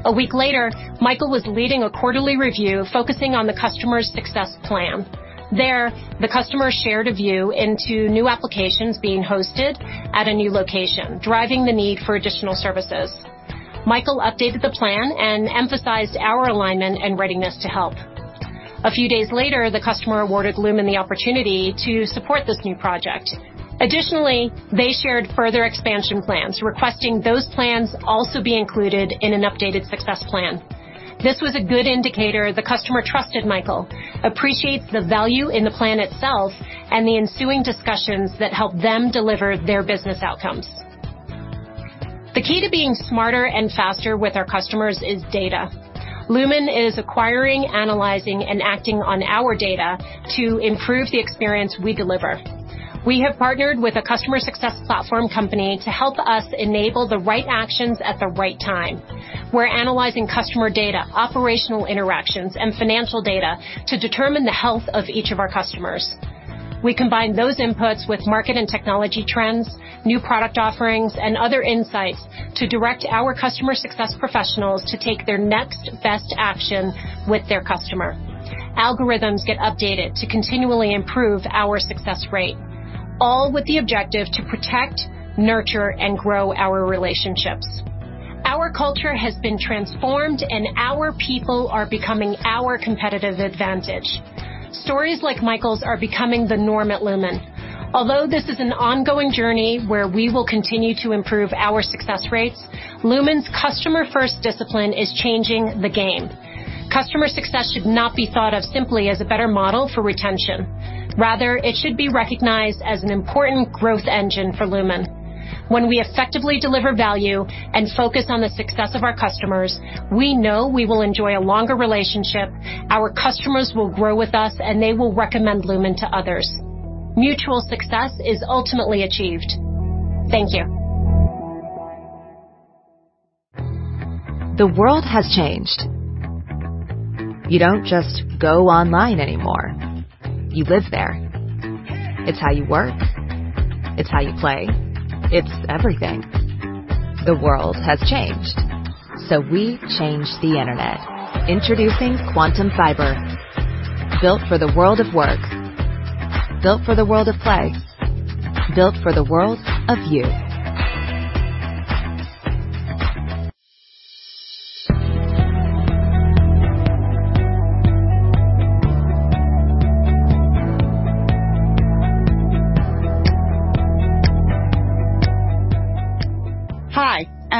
A week later, Michael was leading a quarterly review focusing on the customer's success plan. There, the customer shared a view into new applications being hosted at a new location, driving the need for additional services. Michael updated the plan and emphasized our alignment and readiness to help. A few days later, the customer awarded Lumen the opportunity to support this new project. Additionally, they shared further expansion plans, requesting those plans also be included in an updated success plan. This was a good indicator the customer trusted Michael, appreciates the value in the plan itself, and the ensuing discussions that help them deliver their business outcomes. The key to being smarter and faster with our customers is data. Lumen is acquiring, analyzing, and acting on our data to improve the experience we deliver. We have partnered with a customer success platform company to help us enable the right actions at the right time. We're analyzing customer data, operational interactions, and financial data to determine the health of each of our customers. We combine those inputs with market and technology trends, new product offerings, and other insights to direct our customer success professionals to take their next best action with their customer. Algorithms get updated to continually improve our success rate, all with the objective to protect, nurture, and grow our relationships. Our culture has been transformed, and our people are becoming our competitive advantage. Stories like Michael's are becoming the norm at Lumen. Although this is an ongoing journey where we will continue to improve our success rates, Lumen's customer-first discipline is changing the game. Customer success should not be thought of simply as a better model for retention. Rather, it should be recognized as an important growth engine for Lumen. When we effectively deliver value and focus on the success of our customers, we know we will enjoy a longer relationship, our customers will grow with us, and they will recommend Lumen to others. Mutual success is ultimately achieved. Thank you. The world has changed. You do not just go online anymore. You live there. It is how you work. It is how you play. It is everything. The world has changed. We changed the internet. Introducing Quantum Fiber, built for the world of work, built for the world of play, built for the world of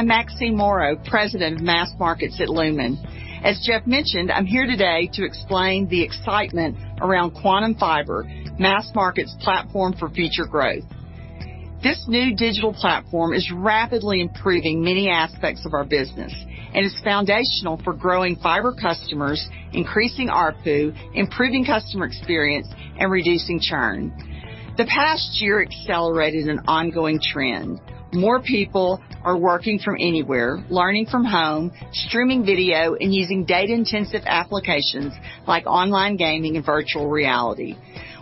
you. Hi, I am Maxine Moreau, President of Mass Markets at Lumen. As Jeff mentioned, I am here today to explain the excitement around Quantum Fiber, Mass Markets' platform for future growth. This new digital platform is rapidly improving many aspects of our business and is foundational for growing fiber customers, increasing RPU, improving customer experience, and reducing churn. The past year accelerated an ongoing trend. More people are working from anywhere, learning from home, streaming video, and using data-intensive applications like online gaming and virtual reality.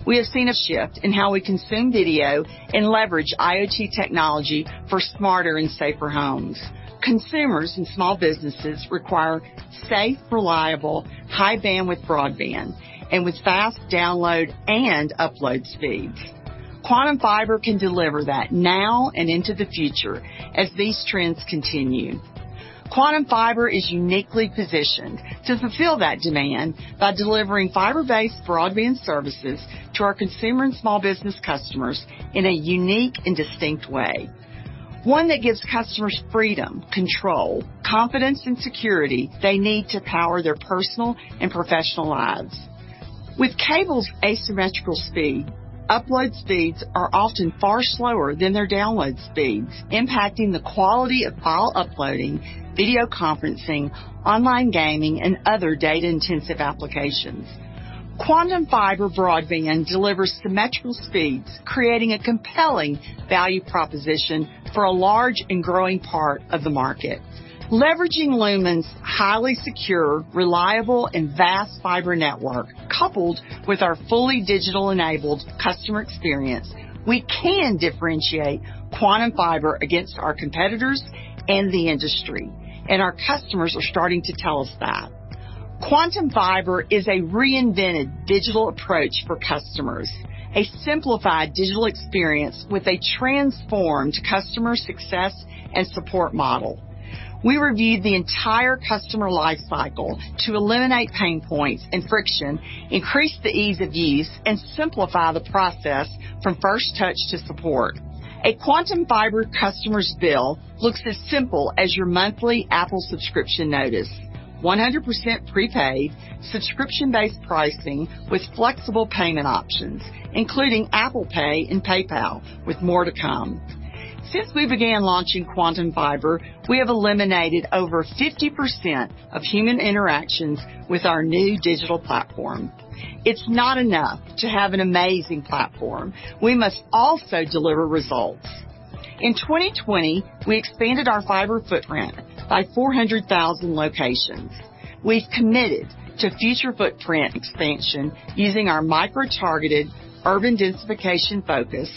We have seen a shift in how we consume video and leverage IoT technology for smarter and safer homes. Consumers and small businesses require safe, reliable, high-bandwidth broadband and with fast download and upload speeds. Quantum Fiber can deliver that now and into the future as these trends continue. Quantum Fiber is uniquely positioned to fulfill that demand by delivering fiber-based broadband services to our consumer and small business customers in a unique and distinct way, one that gives customers freedom, control, confidence, and security they need to power their personal and professional lives. With cables' asymmetrical speed, upload speeds are often far slower than their download speeds, impacting the quality of file uploading, video conferencing, online gaming, and other data-intensive applications. Quantum Fiber broadband delivers symmetrical speeds, creating a compelling value proposition for a large and growing part of the market. Leveraging Lumen's highly secure, reliable, and vast fiber network, coupled with our fully digital-enabled customer experience, we can differentiate Quantum Fiber against our competitors and the industry, and our customers are starting to tell us that. Quantum Fiber is a reinvented digital approach for customers, a simplified digital experience with a transformed customer success and support model. We reviewed the entire customer lifecycle to eliminate pain points and friction, increase the ease of use, and simplify the process from first touch to support. A Quantum Fiber customer's bill looks as simple as your monthly Apple subscription notice, 100% prepaid, subscription-based pricing with flexible payment options, including Apple Pay and PayPal, with more to come. Since we began launching Quantum Fiber, we have eliminated over 50% of human interactions with our new digital platform. It's not enough to have an amazing platform. We must also deliver results. In 2020, we expanded our fiber footprint by 400,000 locations. We've committed to future footprint expansion using our micro-targeted urban densification focus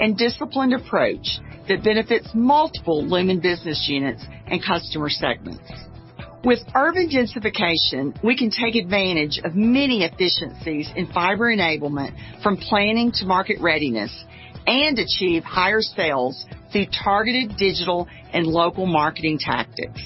and disciplined approach that benefits multiple Lumen business units and customer segments. With urban densification, we can take advantage of many efficiencies in fiber enablement from planning to market readiness and achieve higher sales through targeted digital and local marketing tactics.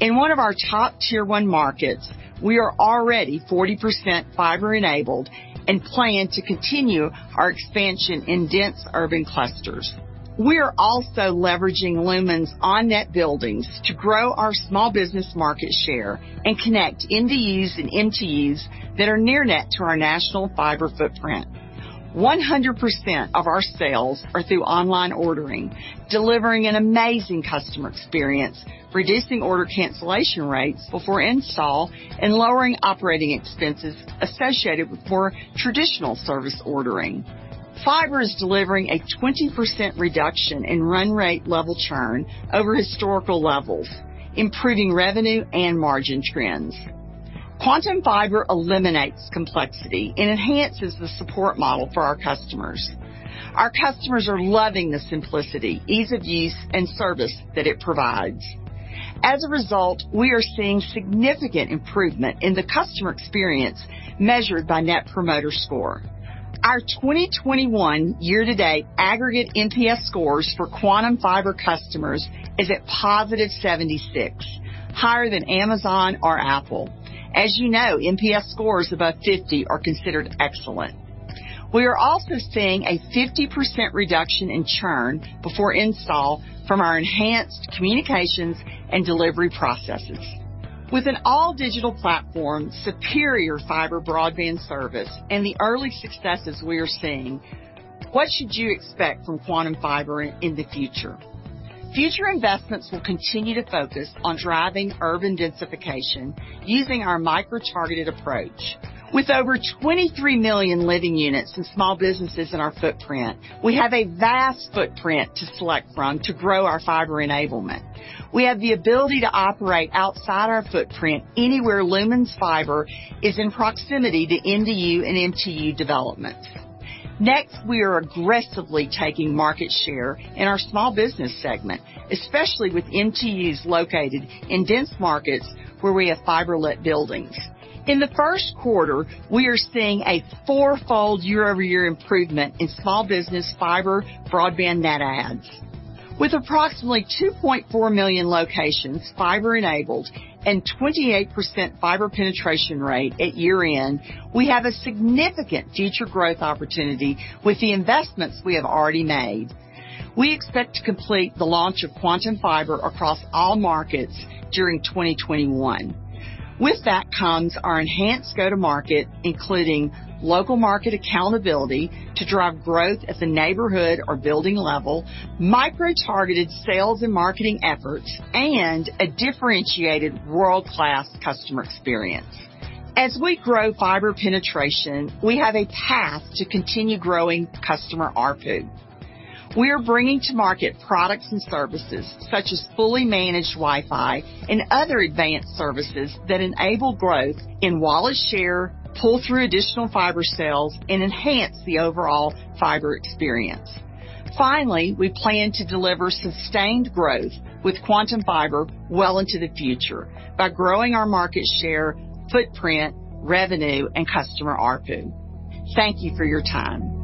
In one of our top tier-one markets, we are already 40% fiber-enabled and plan to continue our expansion in dense urban clusters. We are also leveraging Lumen's on-net buildings to grow our small business market share and connect NDUs and MTUs that are near-net to our national fiber footprint. 100% of our sales are through online ordering, delivering an amazing customer experience, reducing order cancellation rates before install, and lowering operating expenses associated with more traditional service ordering. Fiber is delivering a 20% reduction in run rate level churn over historical levels, improving revenue and margin trends. Quantum Fiber eliminates complexity and enhances the support model for our customers. Our customers are loving the simplicity, ease of use, and service that it provides. As a result, we are seeing significant improvement in the customer experience measured by Net Promoter Score. Our 2021 year-to-date aggregate MPS scores for Quantum Fiber customers is at positive 76, higher than Amazon or Apple. As you know, MPS scores above 50 are considered excellent. We are also seeing a 50% reduction in churn before install from our enhanced communications and delivery processes. With an all-digital platform, superior fiber broadband service, and the early successes we are seeing, what should you expect from Quantum Fiber in the future? Future investments will continue to focus on driving urban densification using our micro-targeted approach. With over 23 million living units and small businesses in our footprint, we have a vast footprint to select from to grow our fiber enablement. We have the ability to operate outside our footprint anywhere Lumen's fiber is in proximity to NDU and MTU developments. Next, we are aggressively taking market share in our small business segment, especially with MTUs located in dense markets where we have fiber-lit buildings. In the first quarter, we are seeing a four-fold year-over-year improvement in small business fiber broadband net adds. With approximately 2.4 million locations fiber-enabled and 28% fiber penetration rate at year-end, we have a significant future growth opportunity with the investments we have already made. We expect to complete the launch of Quantum Fiber across all markets during 2021. With that comes our enhanced go-to-market, including local market accountability to drive growth at the neighborhood or building level, micro-targeted sales and marketing efforts, and a differentiated world-class customer experience. As we grow fiber penetration, we have a path to continue growing customer RPU. We are bringing to market products and services such as fully managed Wi-Fi and other advanced services that enable growth in wallet share, pull through additional fiber cells, and enhance the overall fiber experience. Finally, we plan to deliver sustained growth with Quantum Fiber well into the future by growing our market share, footprint, revenue, and customer RPU. Thank you for your time.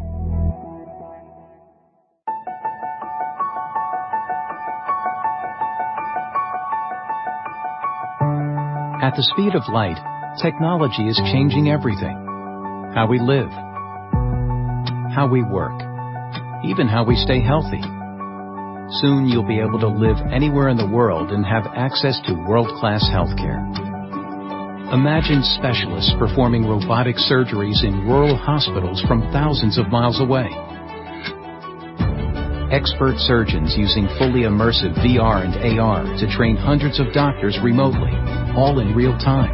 At the speed of light, technology is changing everything: how we live, how we work, even how we stay healthy. Soon, you'll be able to live anywhere in the world and have access to world-class healthcare. Imagine specialists performing robotic surgeries in rural hospitals from thousands of miles away. Expert surgeons using fully immersive VR and AR to train hundreds of doctors remotely, all in real time.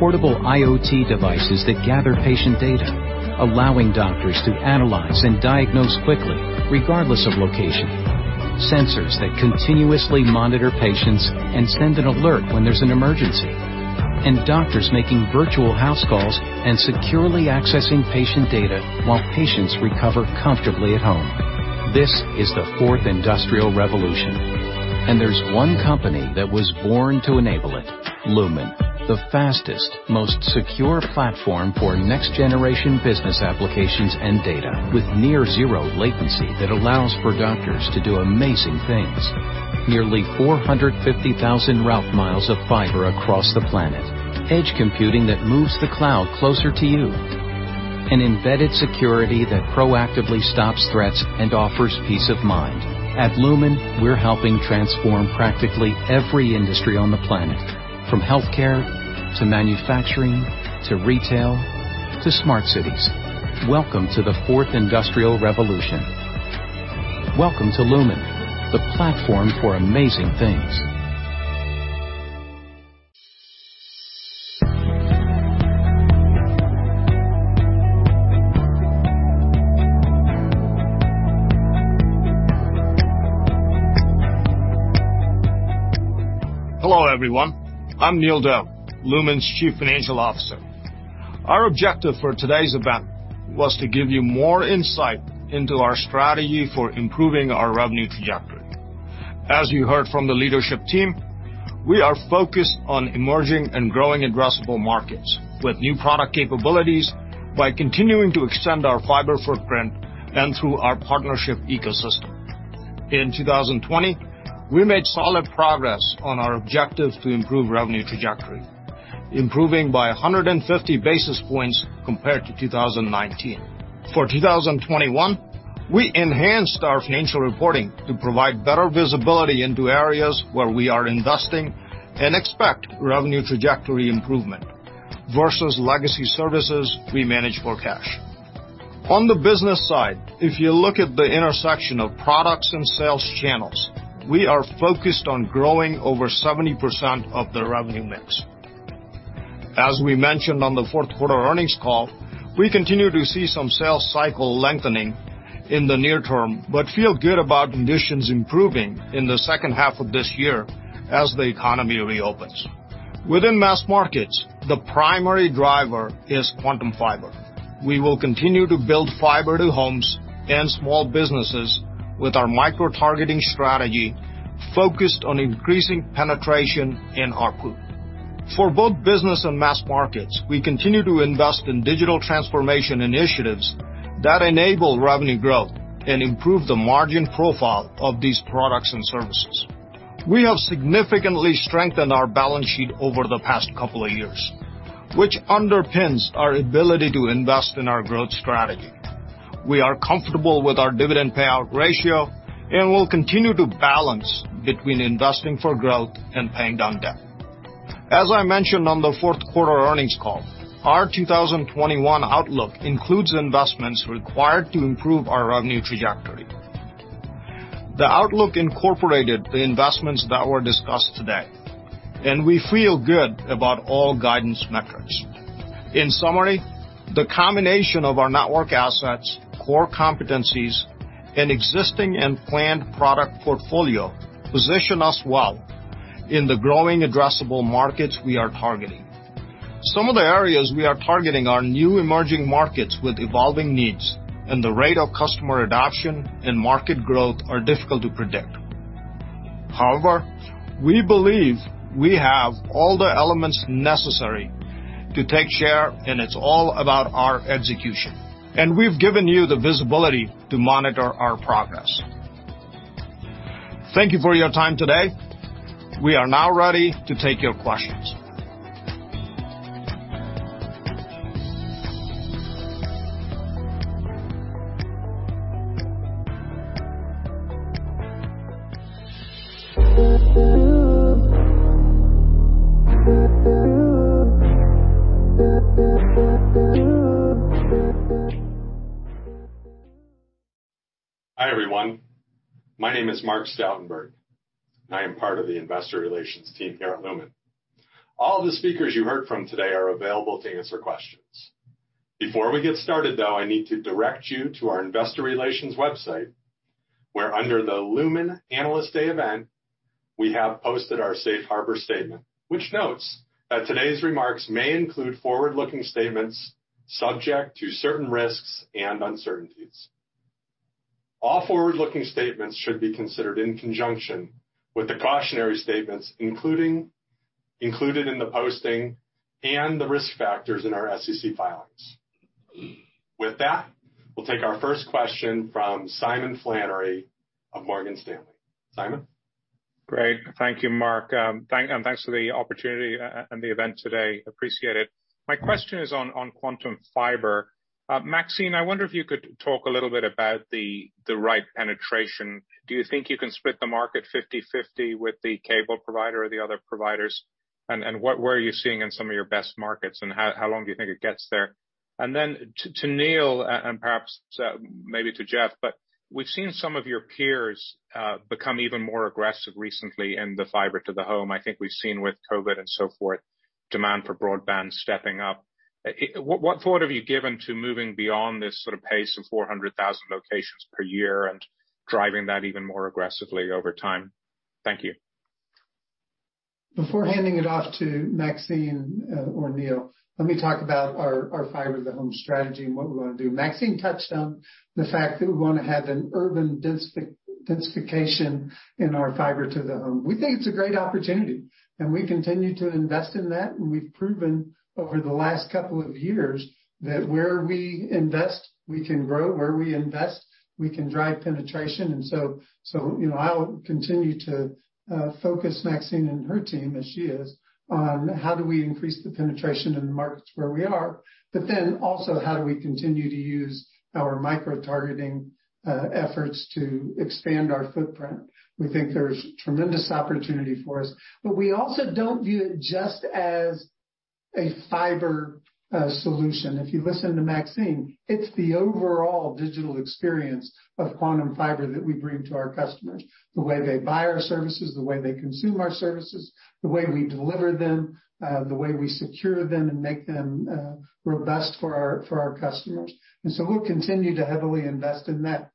Portable IoT devices that gather patient data, allowing doctors to analyze and diagnose quickly, regardless of location. Sensors that continuously monitor patients and send an alert when there's an emergency. Doctors making virtual house calls and securely accessing patient data while patients recover comfortably at home. This is the fourth industrial revolution, and there's one company that was born to enable it: Lumen, the fastest, most secure platform for next-generation business applications and data with near-zero latency that allows for doctors to do amazing things. Nearly 450,000 route miles of fiber across the planet, edge computing that moves the cloud closer to you, and embedded security that proactively stops threats and offers peace of mind. At Lumen, we're helping transform practically every industry on the planet, from healthcare to manufacturing to retail to smart cities. Welcome to the fourth industrial revolution. Welcome to Lumen, the platform for amazing things. Hello, everyone. I'm Neel Dev, Lumen's Chief Financial Officer. Our objective for today's event was to give you more insight into our strategy for improving our revenue trajectory. As you heard from the leadership team, we are focused on emerging and growing addressable markets with new product capabilities by continuing to extend our fiber footprint and through our partnership ecosystem. In 2020, we made solid progress on our objective to improve revenue trajectory, improving by 150 basis points compared to 2019. For 2021, we enhanced our financial reporting to provide better visibility into areas where we are investing and expect revenue trajectory improvement versus legacy services we manage for cash. On the business side, if you look at the intersection of products and sales channels, we are focused on growing over 70% of the revenue mix. As we mentioned on the fourth quarter earnings call, we continue to see some sales cycle lengthening in the near term, but feel good about conditions improving in the second half of this year as the economy reopens. Within Mass Markets, the primary driver is Quantum Fiber. We will continue to build fiber to homes and small businesses with our micro-targeting strategy focused on increasing penetration in RPU. For both business and Mass Markets, we continue to invest in digital transformation initiatives that enable revenue growth and improve the margin profile of these products and services. We have significantly strengthened our balance sheet over the past couple of years, which underpins our ability to invest in our growth strategy. We are comfortable with our dividend payout ratio and will continue to balance between investing for growth and paying down debt. As I mentioned on the fourth quarter earnings call, our 2021 outlook includes investments required to improve our revenue trajectory. The outlook incorporated the investments that were discussed today, and we feel good about all guidance metrics. In summary, the combination of our network assets, core competencies, and existing and planned product portfolio positions us well in the growing addressable markets we are targeting. Some of the areas we are targeting are new emerging markets with evolving needs, and the rate of customer adoption and market growth is difficult to predict. However, we believe we have all the elements necessary to take share, and it's all about our execution, and we've given you the visibility to monitor our progress. Thank you for your time today. We are now ready to take your questions. Hi everyone. My name is Mark Stoutenberg, and I am part of the investor relations team here at Lumen. All of the speakers you heard from today are available to answer questions. Before we get started, though, I need to direct you to our investor relations website, where under the Lumen Analyst Day event, we have posted our safe harbor statement, which notes that today's remarks may include forward-looking statements subject to certain risks and uncertainties. All forward-looking statements should be considered in conjunction with the cautionary statements included in the posting and the risk factors in our SEC filings. With that, we'll take our first question from Simon Flannery of Morgan Stanley. Simon? Great. Thank you, Mark. Thanks for the opportunity and the event today. Appreciate it. My question is on Quantum Fiber. Maxine, I wonder if you could talk a little bit about the right penetration. Do you think you can split the market 50/50 with the cable provider or the other providers? Where are you seeing in some of your best markets? How long do you think it gets there? To Neel, and perhaps maybe to Jeff, we've seen some of your peers become even more aggressive recently in the fiber to the home. I think we've seen with COVID and so forth, demand for broadband stepping up. What thought have you given to moving beyond this sort of pace of 400,000 locations per year and driving that even more aggressively over time? Thank you. Before handing it off to Maxine or Neel, let me talk about our fiber to the home strategy and what we want to do. Maxine touched on the fact that we want to have an urban densification in our fiber to the home. We think it's a great opportunity, and we continue to invest in that. We've proven over the last couple of years that where we invest, we can grow. Where we invest, we can drive penetration. I'll continue to focus, Maxine and her team, as she is, on how do we increase the penetration in the markets where we are, but also how do we continue to use our micro-targeting efforts to expand our footprint. We think there's tremendous opportunity for us, but we also do not view it just as a fiber solution. If you listen to Maxine, it's the overall digital experience of Quantum Fiber that we bring to our customers, the way they buy our services, the way they consume our services, the way we deliver them, the way we secure them and make them robust for our customers. We'll continue to heavily invest in that.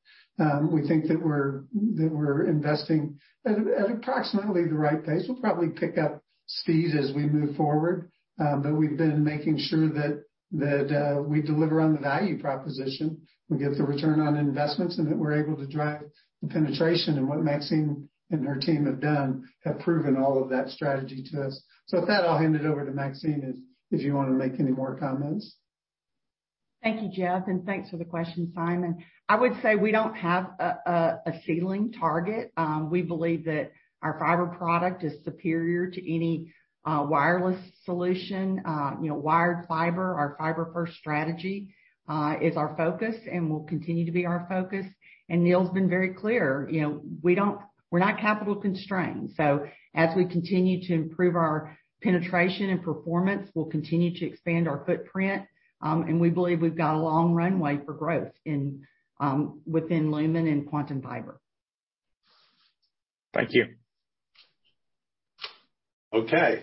We think that we're investing at approximately the right pace. We'll probably pick up speed as we move forward, but we've been making sure that we deliver on the value proposition, we get the return on investments, and that we're able to drive the penetration. What Maxine and her team have done have proven all of that strategy to us. With that, I'll hand it over to Maxine if you want to make any more comments. Thank you, Jeff, and thanks for the question, Simon. I would say we don't have a ceiling target. We believe that our fiber product is superior to any wireless solution. Wired fiber, our fiber-first strategy, is our focus and will continue to be our focus. Neel's been very clear. We're not capital constrained. As we continue to improve our penetration and performance, we'll continue to expand our footprint. And we believe we've got a long runway for growth within Lumen and Quantum Fiber. Thank you. Okay.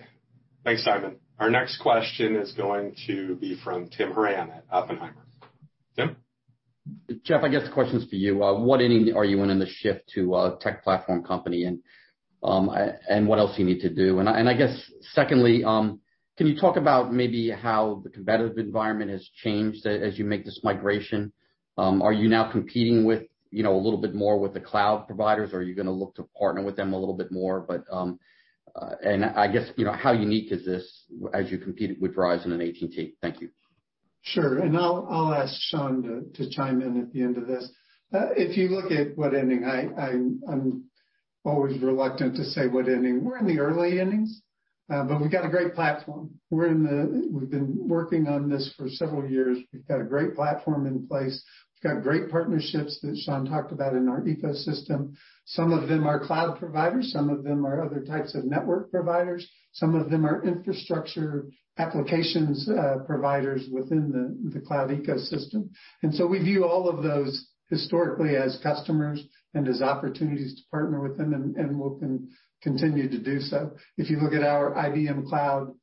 Thanks, Simon. Our next question is going to be from Tim Horan at Oppenheimer. Tim? Jeff, I guess the question's for you. What are you in the shift to a tech platform company and what else you need to do? I guess, secondly, can you talk about maybe how the competitive environment has changed as you make this migration? Are you now competing a little bit more with the cloud providers, or are you going to look to partner with them a little bit more? I guess, how unique is this as you compete with Verizon and AT&T? Thank you. Sure. I'll ask Shaun to chime in at the end of this. If you look at what ending, I'm always reluctant to say what ending. We're in the early innings, but we've got a great platform. We've been working on this for several years. We've got a great platform in place. We've got great partnerships that Shaun talked about in our ecosystem. Some of them are cloud providers. Some of them are other types of network providers. Some of them are infrastructure applications providers within the cloud ecosystem. We view all of those historically as customers and as opportunities to partner with them, and we'll continue to do so. If you look at our IBM cloud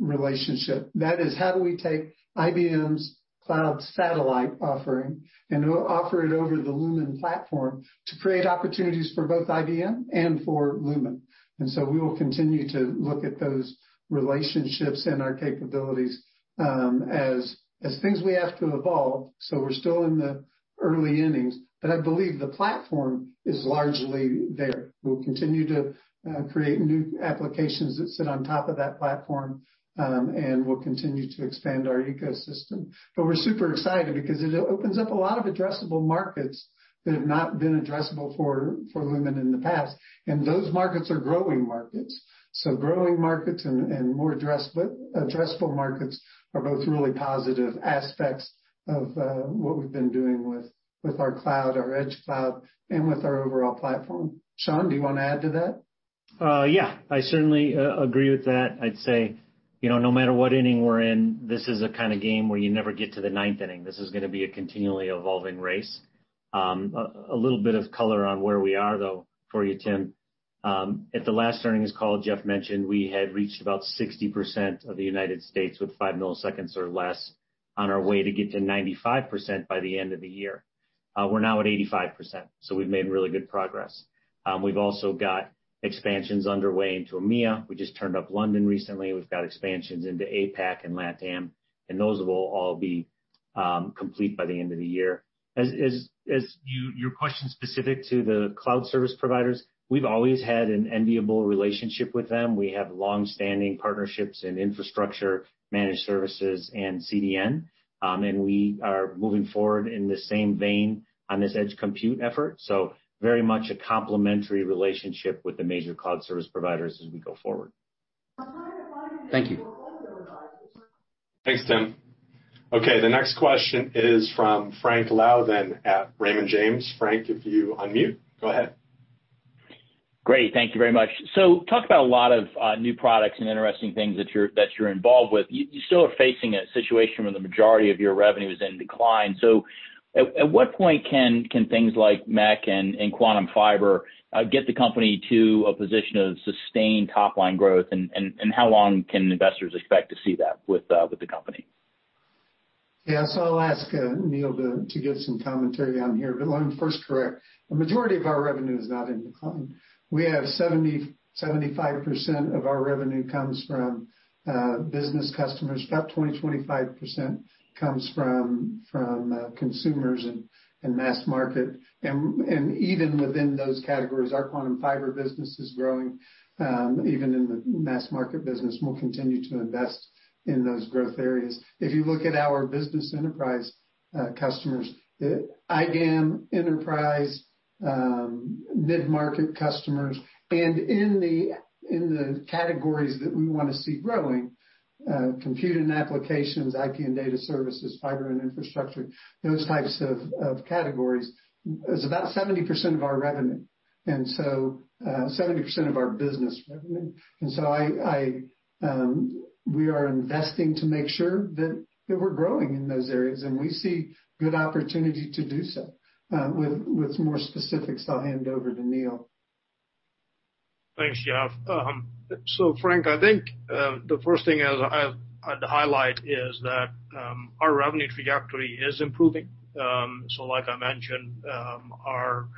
relationship, that is how do we take IBM's Cloud Satellite offering and offer it over the Lumen Platform to create opportunities for both IBM and for Lumen. We will continue to look at those relationships and our capabilities as things we have to evolve. We're still in the early innings, but I believe the platform is largely there. We'll continue to create new applications that sit on top of that platform, and we'll continue to expand our ecosystem. We're super excited because it opens up a lot of addressable markets that have not been addressable for Lumen in the past. Those markets are growing markets. Growing markets and more addressable markets are both really positive aspects of what we've been doing with our cloud, our edge cloud, and with our overall platform. Shaun, do you want to add to that? Yeah. I certainly agree with that. I'd say no matter what inning we're in, this is a kind of game where you never get to the ninth inning. This is going to be a continually evolving race. A little bit of color on where we are, though, for you, Tim. At the last earnings call, Jeff mentioned we had reached about 60% of the United States with five milliseconds or less on our way to get to 95% by the end of the year. We're now at 85%. We have made really good progress. We have also got expansions underway into EMEA. We just turned up London recently. We have got expansions into APAC and LATAM. Those will all be complete by the end of the year. As your question specific to the cloud service providers, we have always had an enviable relationship with them. We have long-standing partnerships in infrastructure, managed services, and CDN. We are moving forward in the same vein on this edge compute effort. It is very much a complementary relationship with the major cloud service providers as we go forward. Thank you. Thanks, Tim. Okay. The next question is from Frank Louthan at Raymond James. Frank, if you unmute, go ahead. Great. Thank you very much. You talk about a lot of new products and interesting things that you're involved with. You still are facing a situation where the majority of your revenue is in decline. At what point can things like MEC and Quantum Fiber get the company to a position of sustained top-line growth? How long can investors expect to see that with the company? Yeah. I'll ask Neel to give some commentary on here. Let me first correct, the majority of our revenue is not in decline. We have 70-75% of our revenue comes from business customers. About 20-25% comes from consumers and mass market. Even within those categories, our Quantum Fiber business is growing. Even in the mass market business, we will continue to invest in those growth areas. If you look at our business enterprise customers, IBM enterprise, mid-market customers, and in the categories that we want to see growing, computing applications, IT and data services, fiber and infrastructure, those types of categories, it's about 70% of our revenue. It's about 70% of our business revenue. We are investing to make sure that we're growing in those areas. We see good opportunity to do so. With more specifics, I'll hand over to Neel. Thanks, Jeff. Frank, I think the first thing I'd highlight is that our revenue trajectory is improving. Like I mentioned, our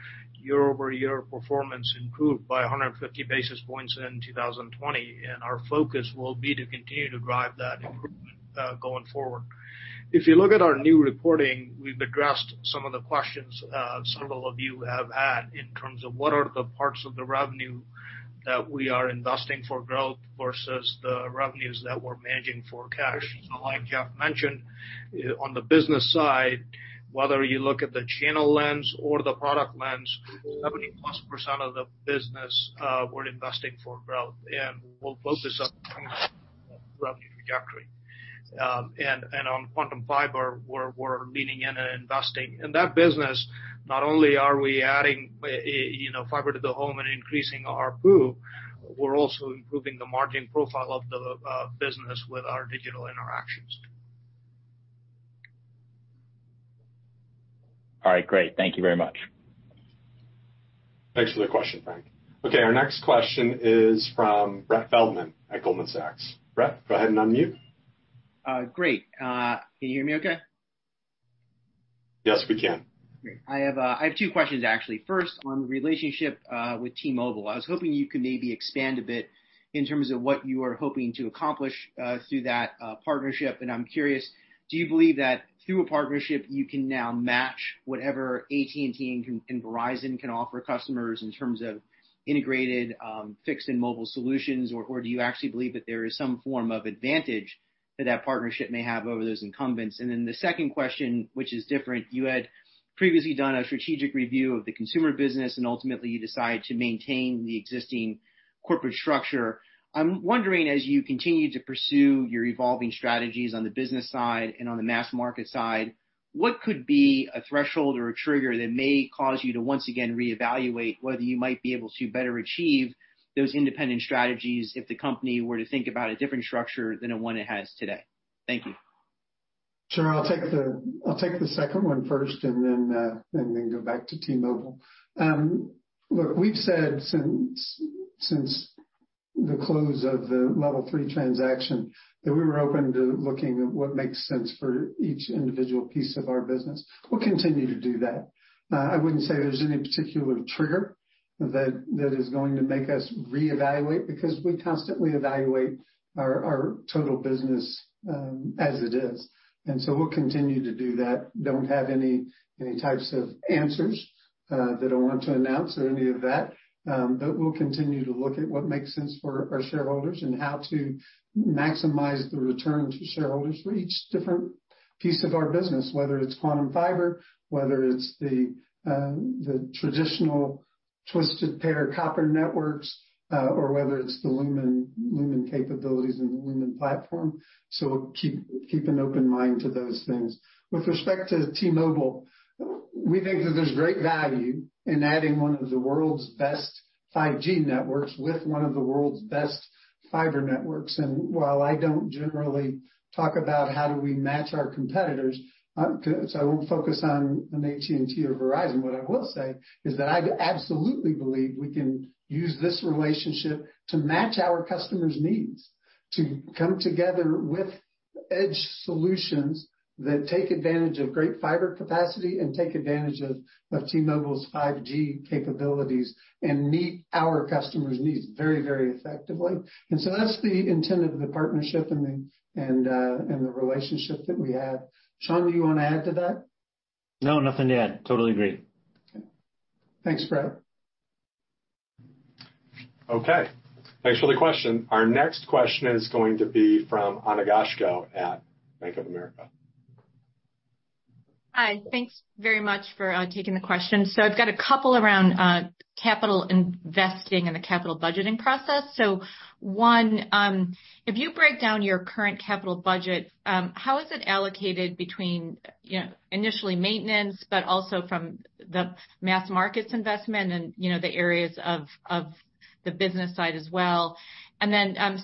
year-over-year performance improved by 150 basis points in 2020. Our focus will be to continue to drive that improvement going forward. If you look at our new reporting, we've addressed some of the questions several of you have had in terms of what are the parts of the revenue that we are investing for growth versus the revenues that we're managing for cash. Like Jeff mentioned, on the business side, whether you look at the channel lens or the product lens, 70+% of the business, we're investing for growth. We'll focus on revenue trajectory. On Quantum Fiber, we're leaning in and investing. In that business, not only are we adding fiber to the home and increasing our pool, we're also improving the margin profile of the business with our digital interactions. All right. Great. Thank you very much. Thanks for the question, Frank. Okay. Our next question is from Brett Feldman at Goldman Sachs. Brett, go ahead and unmute. Great. Can you hear me okay? Yes, we can. I have two questions, actually. First, on the relationship with T-Mobile. I was hoping you could maybe expand a bit in terms of what you are hoping to accomplish through that partnership. I am curious, do you believe that through a partnership, you can now match whatever AT&T and Verizon can offer customers in terms of integrated fixed and mobile solutions, or do you actually believe that there is some form of advantage that that partnership may have over those incumbents? The second question, which is different, you had previously done a strategic review of the consumer business, and ultimately, you decide to maintain the existing corporate structure. I'm wondering, as you continue to pursue your evolving strategies on the business side and on the mass market side, what could be a threshold or a trigger that may cause you to once again reevaluate whether you might be able to better achieve those independent strategies if the company were to think about a different structure than the one it has today? Thank you. Sure. I'll take the second one first and then go back to T-Mobile. Look, we've said since the close of the Level 3 transaction that we were open to looking at what makes sense for each individual piece of our business. We'll continue to do that. I wouldn't say there's any particular trigger that is going to make us reevaluate because we constantly evaluate our total business as it is. We'll continue to do that. Doesn't not have any types of answers that I want to announce or any of that. We will continue to look at what makes sense for our shareholders and how to maximize the return to shareholders for each different piece of our business, whether it is Quantum Fiber, whether it is the traditional twisted pair copper networks, or whether it is the Lumen capabilities and the Lumen platform. Keep an open mind to those things. With respect to T-Mobile, we think that there is great value in adding one of the world's best 5G networks with one of the world's best fiber networks. While I do not generally talk about how do we match our competitors, so I will not focus on AT&T or Verizon, what I will say is that I absolutely believe we can use this relationship to match our customers' needs, to come together with edge solutions that take advantage of great fiber capacity and take advantage of T-Mobile's 5G capabilities and meet our customers' needs very, very effectively. That is the intent of the partnership and the relationship that we have. Shaun, do you want to add to that? No, nothing to add. Totally agree. Thanks, Brett. Okay. Thanks for the question. Our next question is going to be from Ana Goshko at Bank of America. Hi. Thanks very much for taking the question. I have a couple around capital investing and the capital budgeting process. If you break down your current capital budget, how is it allocated between initially maintenance, but also from the mass markets investment and the areas of the business side as well?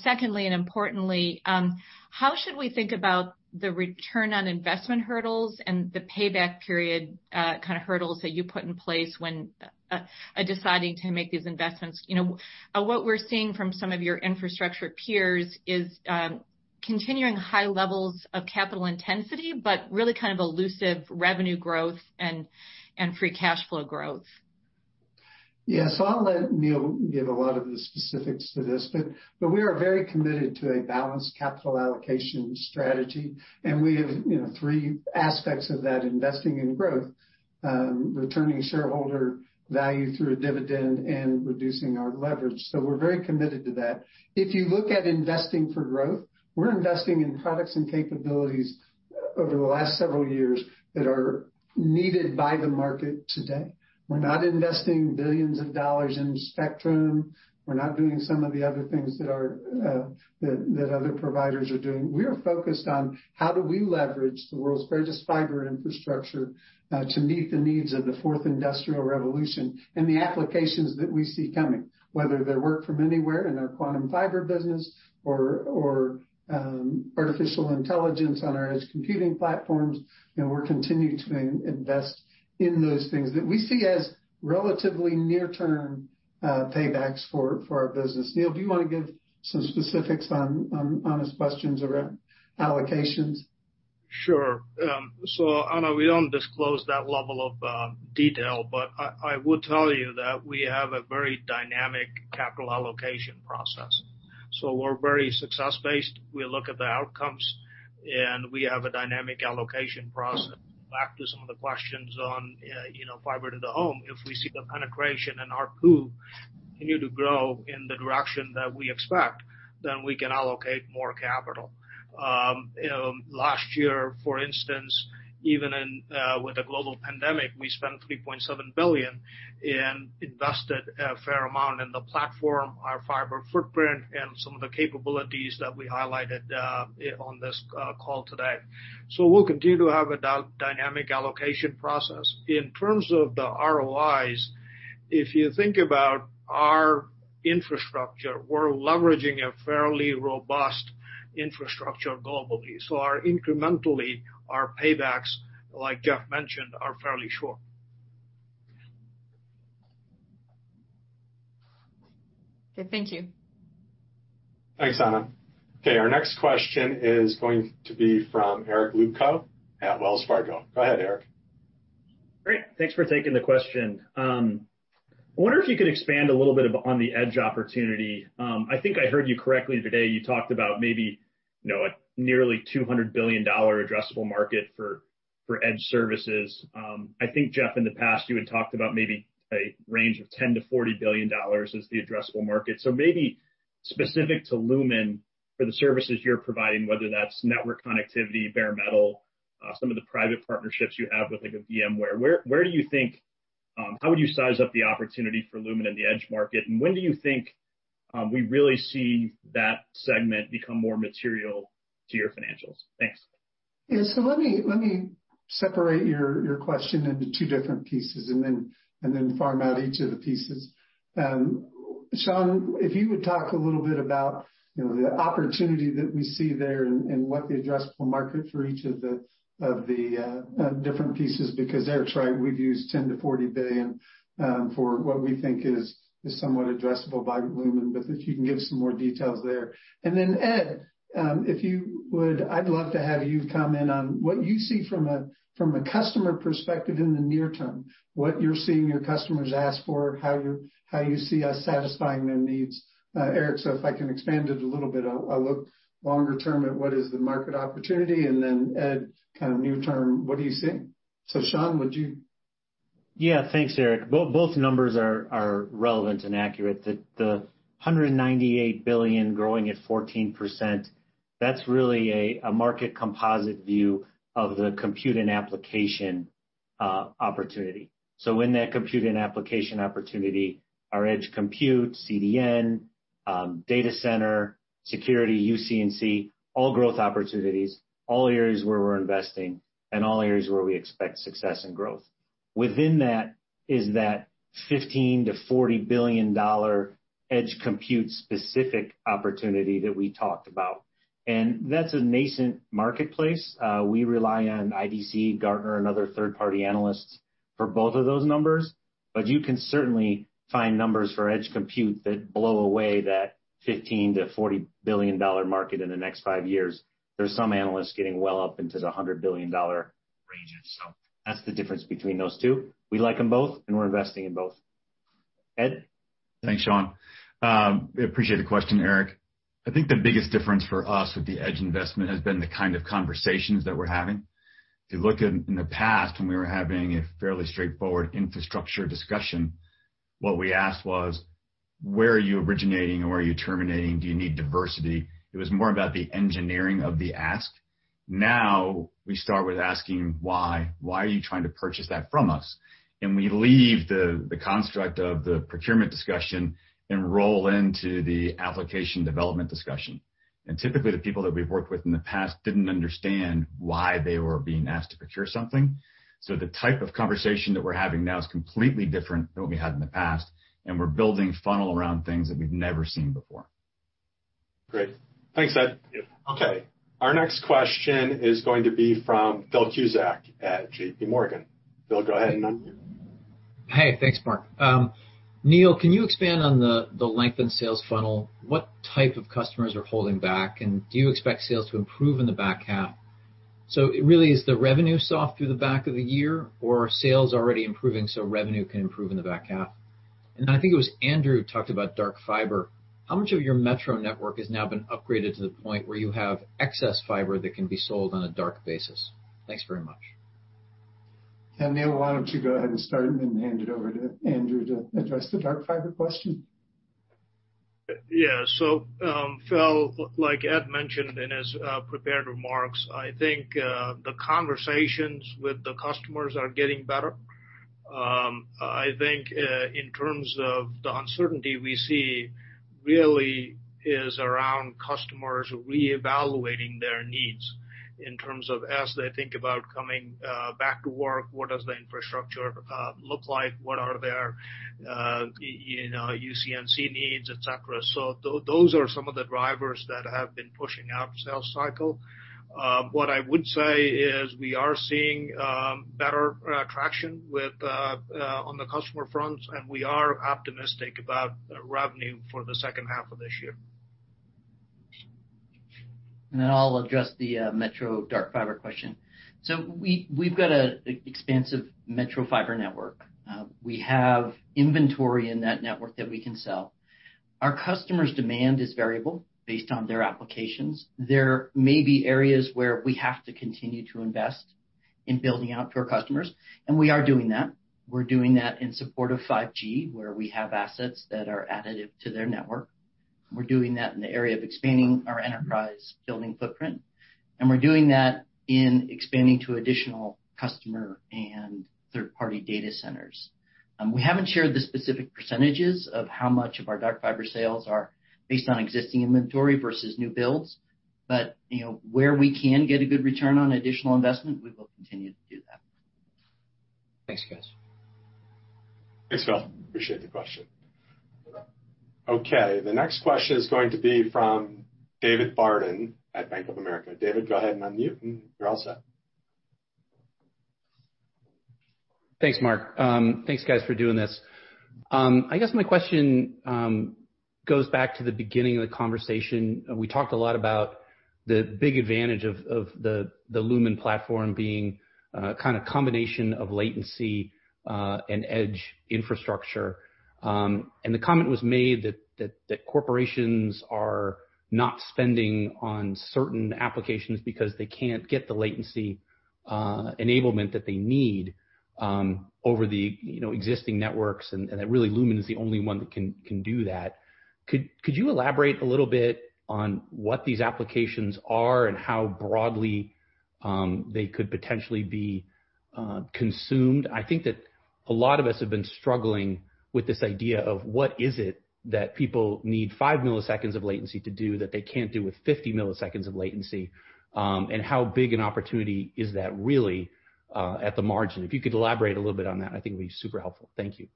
Secondly, and importantly, how should we think about the return on investment hurdles and the payback period kind of hurdles that you put in place when deciding to make these investments? What we're seeing from some of your infrastructure peers is continuing high levels of capital intensity, but really kind of elusive revenue growth and free cash flow growth. Yeah. I'll let Neel give a lot of the specifics to this. We are very committed to a balanced capital allocation strategy. We have three aspects of that: investing in growth, returning shareholder value through a dividend, and reducing our leverage. We're very committed to that. If you look at investing for growth, we're investing in products and capabilities over the last several years that are needed by the market today. We're not investing billions of dollars in spectrum. We're not doing some of the other things that other providers are doing. We are focused on how do we leverage the world's greatest fiber infrastructure to meet the needs of the Fourth Industrial Revolution and the applications that we see coming, whether they're work from anywhere in our Quantum Fiber business or artificial intelligence on our edge computing platforms. We're continuing to invest in those things that we see as relatively near-term paybacks for our business. Neel, do you want to give some specifics on honest questions around allocations? Sure. I know we don't disclose that level of detail, but I will tell you that we have a very dynamic capital allocation process. We're very success-based. We look at the outcomes, and we have a dynamic allocation process. Back to some of the questions on fiber to the home, if we see the penetration in our pool continue to grow in the direction that we expect, then we can allocate more capital. Last year, for instance, even with a global pandemic, we spent $3.7 billion and invested a fair amount in the platform, our fiber footprint, and some of the capabilities that we highlighted on this call today. We'll continue to have a dynamic allocation process. In terms of the ROIs, if you think about our infrastructure, we're leveraging a fairly robust infrastructure globally. Incrementally, our paybacks, like Jeff mentioned, are fairly short. Thank you. Thanks, Anna. Our next question is going to be from Eric Lubko at Wells Fargo. Go ahead, Eric. Great. Thanks for taking the question. I wonder if you could expand a little bit on the edge opportunity. I think I heard you correctly today. You talked about maybe a nearly $200 billion addressable market for edge services. I think, Jeff, in the past, you had talked about maybe a range of $10 billion-$40 billion as the addressable market. Maybe specific to Lumen for the services you're providing, whether that's network connectivity, bare metal, some of the private partnerships you have with VMware, where do you think, how would you size up the opportunity for Lumen in the edge market? When do you think we really see that segment become more material to your financials? Thanks. Yeah. Let me separate your question into two different pieces and then farm out each of the pieces. Shaun, if you would talk a little bit about the opportunity that we see there and what the addressable market for each of the different pieces is because Eric's right, we've used $10 billion to $40 billion for what we think is somewhat addressable by Lumen, but if you can give some more details there. Ed, if you would, I'd love to have you comment on what you see from a customer perspective in the near term, what you're seeing your customers ask for, how you see us satisfying their needs. Eric, if I can expand it a little bit, I'll look longer term at what is the market opportunity. Ed, near term, what do you see? Shaun, would you? Yeah. Thanks, Eric. Both numbers are relevant and accurate. The $198 billion growing at 14%, that's really a market composite view of the compute and application opportunity. In that compute and application opportunity, our edge compute, CDN, data center, security, UC&C, all growth opportunities, all areas where we're investing, and all areas where we expect success and growth. Within that is that $15 billion-$40 billion edge compute specific opportunity that we talked about. That's a nascent marketplace. We rely on IDC, Gartner, and other third-party analysts for both of those numbers. You can certainly find numbers for edge compute that blow away that $15 billion-$40 billion market in the next five years. There are some analysts getting well up into the $100 billion ranges. That's the difference between those two. We like them both, and we're investing in both. Ed? Thanks, Shaun. I appreciate the question, Eric. I think the biggest difference for us with the edge investment has been the kind of conversations that we're having. If you look in the past, when we were having a fairly straightforward infrastructure discussion, what we asked was, where are you originating and where are you terminating? Do you need diversity? It was more about the engineering of the ask. Now we start with asking why. Why are you trying to purchase that from us? We leave the construct of the procurement discussion and roll into the application development discussion. Typically, the people that we've worked with in the past didn't understand why they were being asked to procure something. The type of conversation that we're having now is completely different than what we had in the past. We're building a funnel around things that we've never seen before. Great. Thanks, Ed. Okay. Our next question is going to be from Phil Cusack at J.P. Morgan. Phil, go ahead and unmute. Hey, thanks, Mark. Neel, can you expand on the lengthened sales funnel? What type of customers are holding back? Do you expect sales to improve in the back half? Really, is the revenue soft through the back of the year, or are sales already improving so revenue can improve in the back half? I think it was Andrew who talked about dark fiber. How much of your metro network has now been upgraded to the point where you have excess fiber that can be sold on a dark basis? Thanks very much. Yeah. Neel, why do you not go ahead and start and then hand it over to Andrew to address the dark fiber question? Yeah. Phil, like Ed mentioned in his prepared remarks, I think the conversations with the customers are getting better. I think in terms of the uncertainty we see really is around customers reevaluating their needs in terms of as they think about coming back to work, what does the infrastructure look like, what are their UC&C needs, etc.? Those are some of the drivers that have been pushing out sales cycle. What I would say is we are seeing better traction on the customer front, and we are optimistic about revenue for the second half of this year. I'll address the metro dark fiber question. We have an expansive metro fiber network. We have inventory in that network that we can sell. Our customers' demand is variable based on their applications. There may be areas where we have to continue to invest in building out to our customers. We are doing that. We're doing that in support of 5G, where we have assets that are additive to their network. We're doing that in the area of expanding our enterprise building footprint. We're doing that in expanding to additional customer and third-party data centers. We haven't shared the specific percentages of how much of our dark fiber sales are based on existing inventory versus new builds. Where we can get a good return on additional investment, we will continue to do that. Thanks, guys. Thanks, Phil. Appreciate the question. Okay. The next question is going to be from David Barden at Bank of America. David, go ahead and unmute, and you're all set. Thanks, Mark. Thanks, guys, for doing this. I guess my question goes back to the beginning of the conversation. We talked a lot about the big advantage of the Lumen platform being kind of a combination of latency and edge infrastructure. The comment was made that corporations are not spending on certain applications because they can't get the latency enablement that they need over the existing networks, and that really Lumen is the only one that can do that. Could you elaborate a little bit on what these applications are and how broadly they could potentially be consumed? I think that a lot of us have been struggling with this idea of what is it that people need 5 milliseconds of latency to do that they can't do with 50 milliseconds of latency, and how big an opportunity is that really at the margin? If you could elaborate a little bit on that, I think it would be super helpful. Thank you.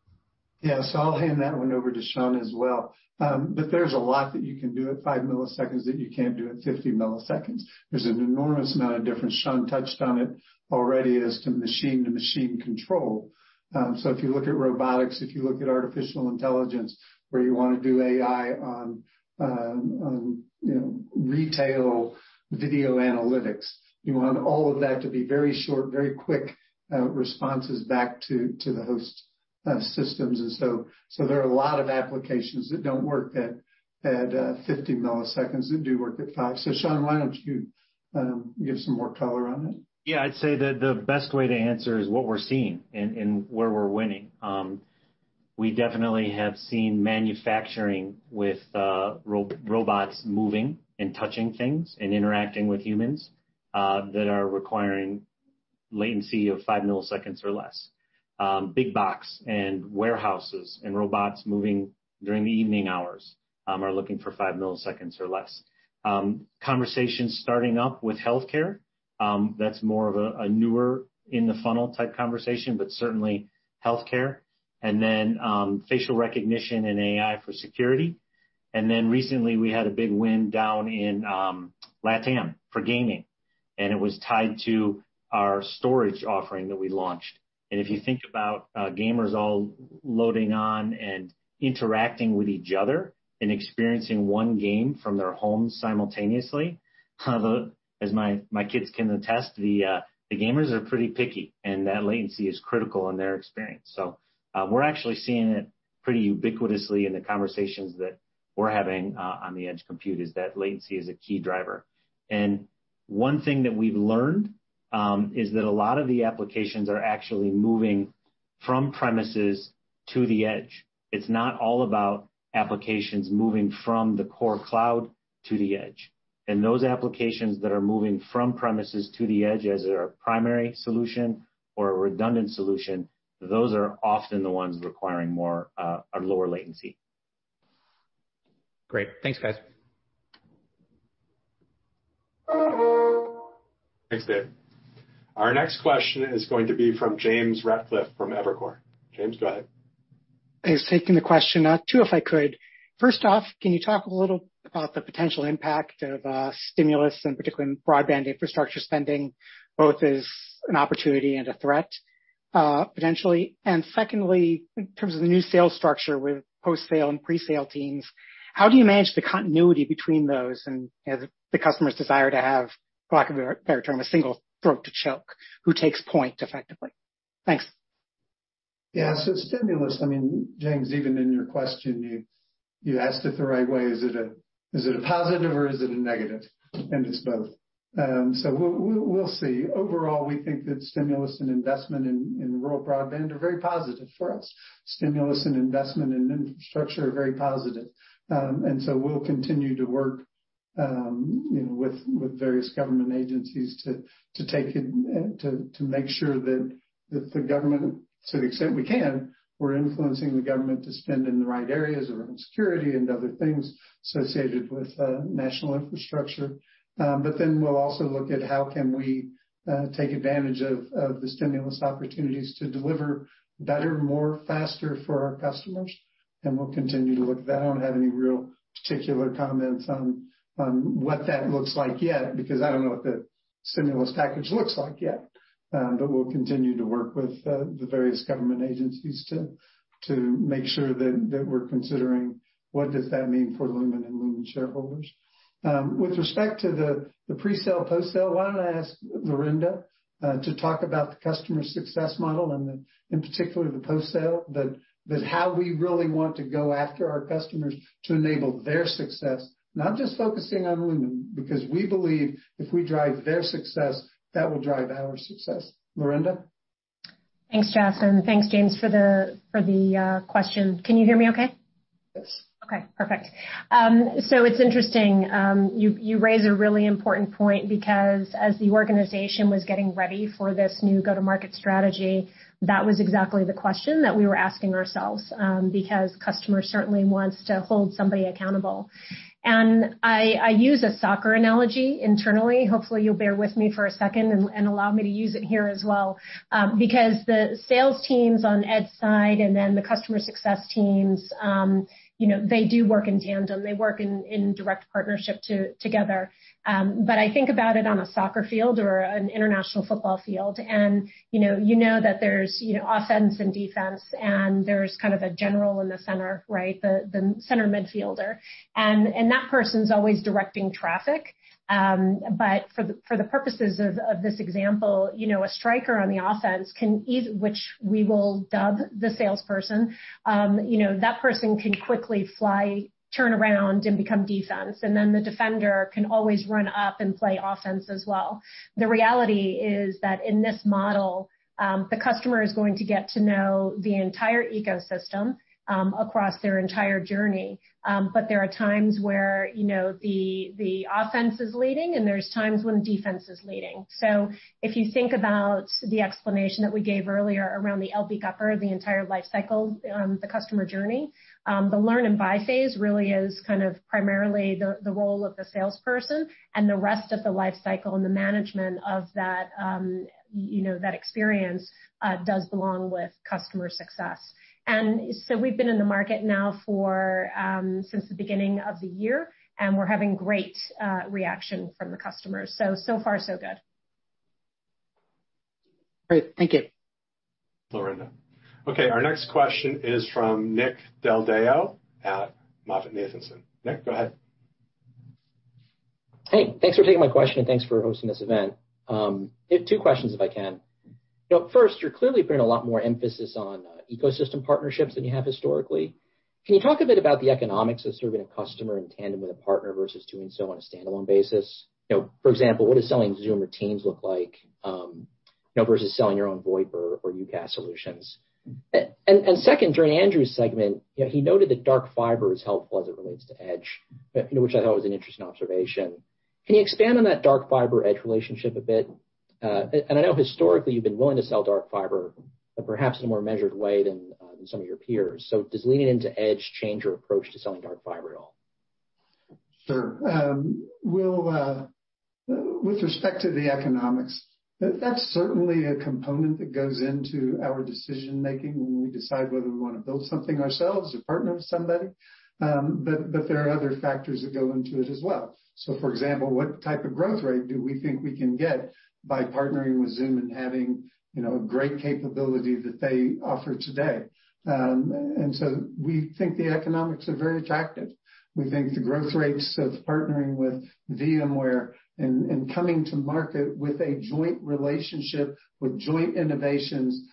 Yeah. I'll hand that one over to Shaun as well. There's a lot that you can do at 5 milliseconds that you can't do at 50 milliseconds. There's an enormous amount of difference. Shaun touched on it already as to machine-to-machine control. If you look at robotics, if you look at artificial intelligence, where you want to do AI on retail video analytics, you want all of that to be very short, very quick responses back to the host systems. There are a lot of applications that don't work at 50 milliseconds that do work at 5. Shaun, why don't you give some more color on it? Yeah. I'd say that the best way to answer is what we're seeing and where we're winning. We definitely have seen manufacturing with robots moving and touching things and interacting with humans that are requiring latency of 5 milliseconds or less. Big box and warehouses and robots moving during the evening hours are looking for 5 milliseconds or less. Conversations starting up with healthcare, that's more of a newer in-the-funnel type conversation, but certainly healthcare. Facial recognition and AI for security. Recently, we had a big win down in LATAM for gaming. It was tied to our storage offering that we launched. If you think about gamers all loading on and interacting with each other and experiencing one game from their home simultaneously, as my kids can attest, the gamers are pretty picky, and that latency is critical in their experience. We're actually seeing it pretty ubiquitously in the conversations that we're having on the edge computers that latency is a key driver. One thing that we've learned is that a lot of the applications are actually moving from premises to the edge. It's not all about applications moving from the core cloud to the edge. Those applications that are moving from premises to the edge as their primary solution or a redundant solution, those are often the ones requiring a lower latency. Great. Thanks, guys. Thanks, David. Our next question is going to be from James Ratcliffe from Evercore. James, go ahead. Thanks for taking the question. Two if I could. First off, can you talk a little about the potential impact of stimulus, and particularly in broadband infrastructure spending, both as an opportunity and a threat potentially? Secondly, in terms of the new sales structure with post-sale and pre-sale teams, how do you manage the continuity between those and the customer's desire to have, for lack of a better term, a single throat to choke? Who takes point effectively? Thanks. Yeah. Stimulus, I mean, James, even in your question, you asked it the right way. Is it a positive or is it a negative? It is both. We think that stimulus and investment in rural broadband are very positive for us. Stimulus and investment in infrastructure are very positive. We will continue to work with various government agencies to make sure that the government, to the extent we can, we are influencing the government to spend in the right areas around security and other things associated with national infrastructure. We will also look at how we can take advantage of the stimulus opportunities to deliver better, more, faster for our customers. We will continue to look at that. I do not have any real particular comments on what that looks like yet because I do not know what the stimulus package looks like yet. We will continue to work with the various government agencies to make sure that we are considering what that means for Lumen and Lumen shareholders. With respect to the pre-sale, post-sale, why do I not ask Lurinda to talk about the customer success model and in particular the post-sale, but how we really want to go after our customers to enable their success, not just focusing on Lumen because we believe if we drive their success, that will drive our success. Laurinda? Thanks, Jasmine. Thanks, James, for the question. Can you hear me okay? Yes. Okay. Perfect. It's interesting. You raise a really important point because as the organization was getting ready for this new go-to-market strategy, that was exactly the question that we were asking ourselves because customers certainly want to hold somebody accountable. I use a soccer analogy internally. Hopefully, you'll bear with me for a second and allow me to use it here as well because the sales teams on Ed's side and then the customer success teams, they do work in tandem. They work in direct partnership together. I think about it on a soccer field or an international football field. You know that there's offense and defense, and there's kind of a general in the center, right, the center midfielder. That person's always directing traffic. For the purposes of this example, a striker on the offense, which we will dub the salesperson, that person can quickly fly, turn around, and become defense. The defender can always run up and play offense as well. The reality is that in this model, the customer is going to get to know the entire ecosystem across their entire journey. There are times where the offense is leading, and there are times when defense is leading. If you think about the explanation that we gave earlier around the LB gupper, the entire lifecycle, the customer journey, the learn-and-buy phase really is kind of primarily the role of the salesperson, and the rest of the lifecycle and the management of that experience does belong with customer success. We have been in the market now since the beginning of the year, and we are having great reaction from the customers. So far, so good. Great. Thank you. Laurinda. Okay. Our next question is from Nick Deldao at Moffett Nathanson. Nick, go ahead. Hey, thanks for taking my question, and thanks for hosting this event. Two questions, if I can. First, you are clearly putting a lot more emphasis on ecosystem partnerships than you have historically. Can you talk a bit about the economics of serving a customer in tandem with a partner versus doing so on a standalone basis? For example, what does selling Zoom or Teams look like versus selling your own VoIP or UCaaS solutions? Second, during Andrew's segment, he noted that dark fiber is helpful as it relates to edge, which I thought was an interesting observation. Can you expand on that dark fiber-edge relationship a bit? I know historically you've been willing to sell dark fiber, but perhaps in a more measured way than some of your peers. Does leaning into edge change your approach to selling dark fiber at all? Sure. With respect to the economics, that's certainly a component that goes into our decision-making when we decide whether we want to build something ourselves or partner with somebody. There are other factors that go into it as well. For example, what type of growth rate do we think we can get by partnering with Zoom and having a great capability that they offer today? We think the economics are very attractive. We think the growth rates of partnering with VMware and coming to market with a joint relationship with joint innovations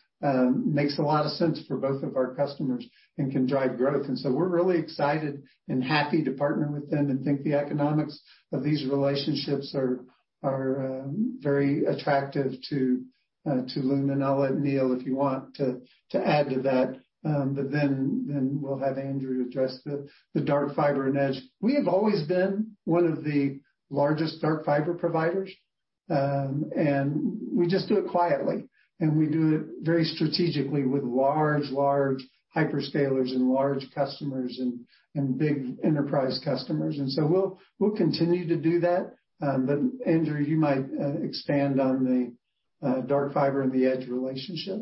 makes a lot of sense for both of our customers and can drive growth. We are really excited and happy to partner with them and think the economics of these relationships are very attractive to Lumen. I'll let Neel, if you want, add to that. We will have Andrew address the dark fiber and edge. We have always been one of the largest dark fiber providers, and we just do it quietly. We do it very strategically with large, large hyperscalers and large customers and big enterprise customers. We will continue to do that. Andrew, you might expand on the dark fiber and the edge relationship.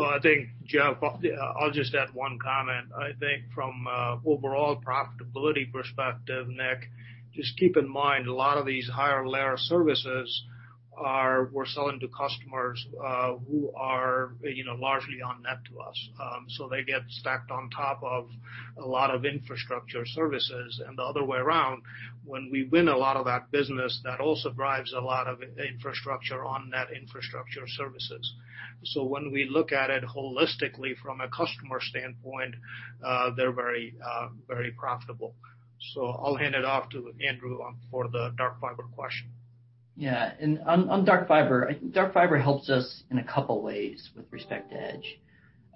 I think, Jeff, I'll just add one comment. I think from overall profitability perspective, Nick, just keep in mind a lot of these higher layer services we're selling to customers who are largely on net to us. They get stacked on top of a lot of infrastructure services. The other way around, when we win a lot of that business, that also drives a lot of infrastructure on net infrastructure services. When we look at it holistically from a customer standpoint, they're very profitable. I'll hand it off to Andrew for the dark fiber question. Yeah. On dark fiber, dark fiber helps us in a couple of ways with respect to edge.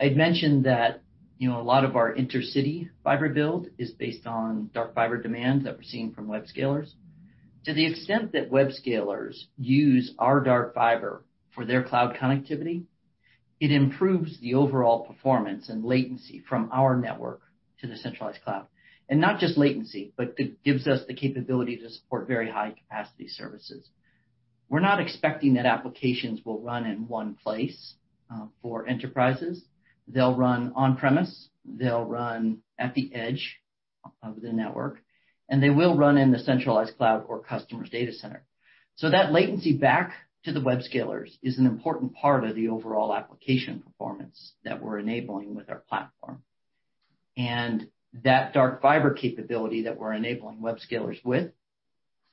I'd mentioned that a lot of our intercity fiber build is based on dark fiber demand that we're seeing from web scalers. To the extent that web scalers use our dark fiber for their cloud connectivity, it improves the overall performance and latency from our network to the centralized cloud. Not just latency, but it gives us the capability to support very high-capacity services. We're not expecting that applications will run in one place for enterprises. They'll run on-premise. They'll run at the edge of the network. They will run in the centralized cloud or customer's data center. That latency back to the web scalers is an important part of the overall application performance that we're enabling with our platform. That dark fiber capability that we're enabling web scalers with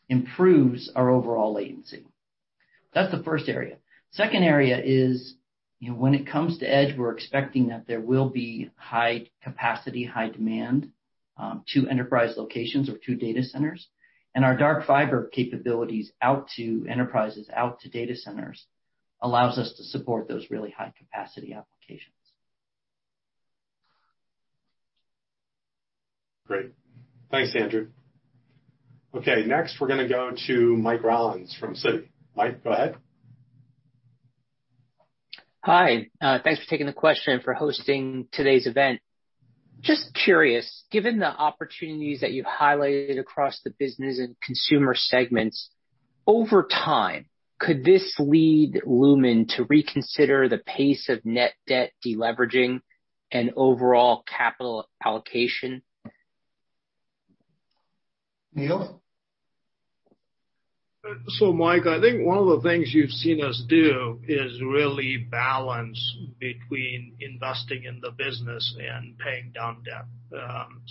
improves our overall latency. That's the first area. The second area is when it comes to edge, we're expecting that there will be high capacity, high demand to enterprise locations or to data centers. Our dark fiber capabilities out to enterprises, out to data centers allows us to support those really high-capacity applications. Great. Thanks, Andrew. Okay. Next, we're going to go to Mike Rollins from Citi. Mike, go ahead. Hi. Thanks for taking the question and for hosting today's event. Just curious, given the opportunities that you've highlighted across the business and consumer segments, over time, could this lead Lumen to reconsider the pace of net debt deleveraging and overall capital allocation? Neel? Mike, I think one of the things you've seen us do is really balance between investing in the business and paying down debt.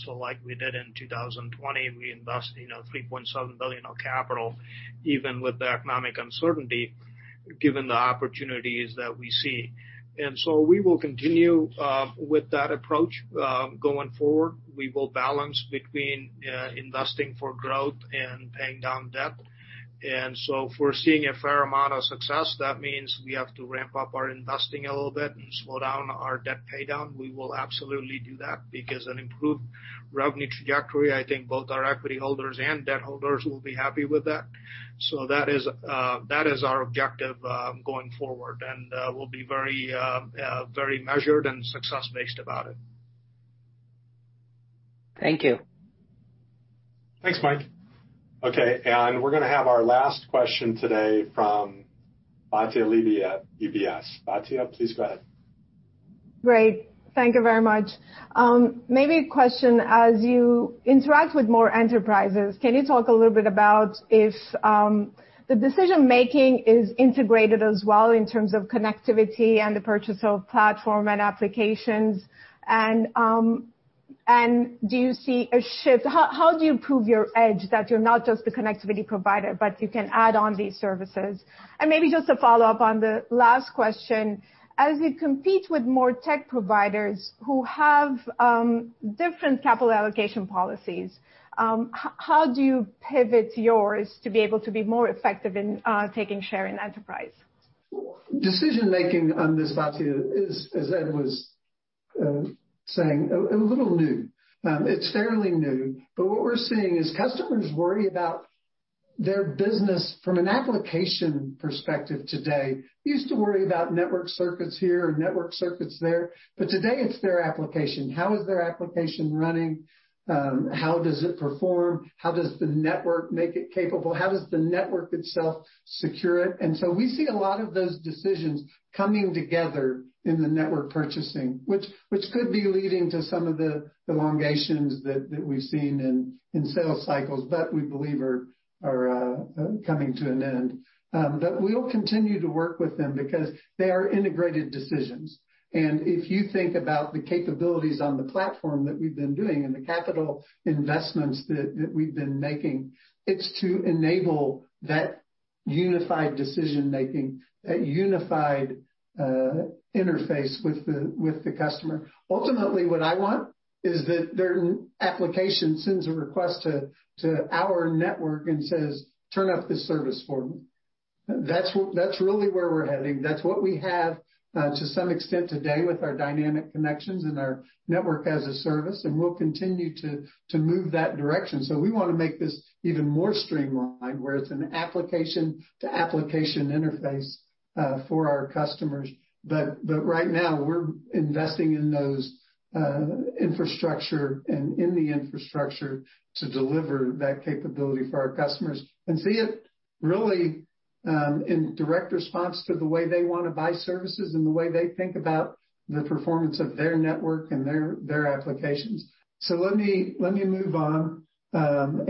Like we did in 2020, we invested $3.7 billion of capital, even with the economic uncertainty, given the opportunities that we see. We will continue with that approach going forward. We will balance between investing for growth and paying down debt. If we're seeing a fair amount of success, that means we have to ramp up our investing a little bit and slow down our debt paydown. We will absolutely do that because an improved revenue trajectory, I think both our equity holders and debt holders will be happy with that. That is our objective going forward. We'll be very measured and success-based about it. Thank you. Thanks, Mike. Okay. We're going to have our last question today from Bhatia Libi at UBS. Bhatia, please go ahead. Great. Thank you very much. Maybe a question. As you interact with more enterprises, can you talk a little bit about if the decision-making is integrated as well in terms of connectivity and the purchase of platform and applications? Do you see a shift? How do you prove your edge that you're not just the connectivity provider, but you can add on these services? Maybe just a follow-up on the last question. As you compete with more tech providers who have different capital allocation policies, how do you pivot yours to be able to be more effective in taking share in enterprise? Decision-making on this, Bhatia, as Ed was saying, a little new. It's fairly new. What we're seeing is customers worry about their business from an application perspective today. Used to worry about network circuits here and network circuits there. Today, it's their application. How is their application running? How does it perform? How does the network make it capable? How does the network itself secure it? We see a lot of those decisions coming together in the network purchasing, which could be leading to some of the elongations that we've seen in sales cycles, but we believe are coming to an end. We'll continue to work with them because they are integrated decisions. If you think about the capabilities on the platform that we've been doing and the capital investments that we've been making, it's to enable that unified decision-making, that unified interface with the customer. Ultimately, what I want is that their application sends a request to our network and says, "Turn up this service for me." That's really where we're heading. That's what we have to some extent today with our dynamic connections and our network as a service. We'll continue to move that direction. We want to make this even more streamlined where it's an application-to-application interface for our customers. Right now, we're investing in those infrastructure and in the infrastructure to deliver that capability for our customers and see it really in direct response to the way they want to buy services and the way they think about the performance of their network and their applications. Let me move on. Let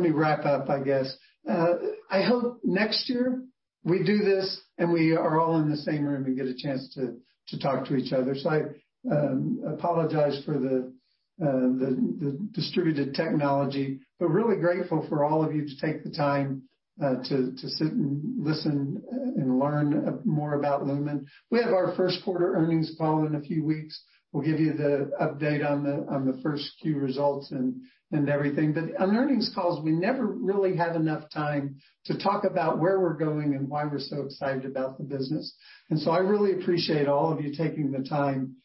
me wrap up, I guess. I hope next year we do this and we are all in the same room and get a chance to talk to each other. I apologize for the distributed technology, but really grateful for all of you to take the time to sit and listen and learn more about Lumen. We have our first quarter earnings call in a few weeks. We'll give you the update on the first few results and everything. On earnings calls, we never really have enough time to talk about where we're going and why we're so excited about the business. I really appreciate all of you taking the time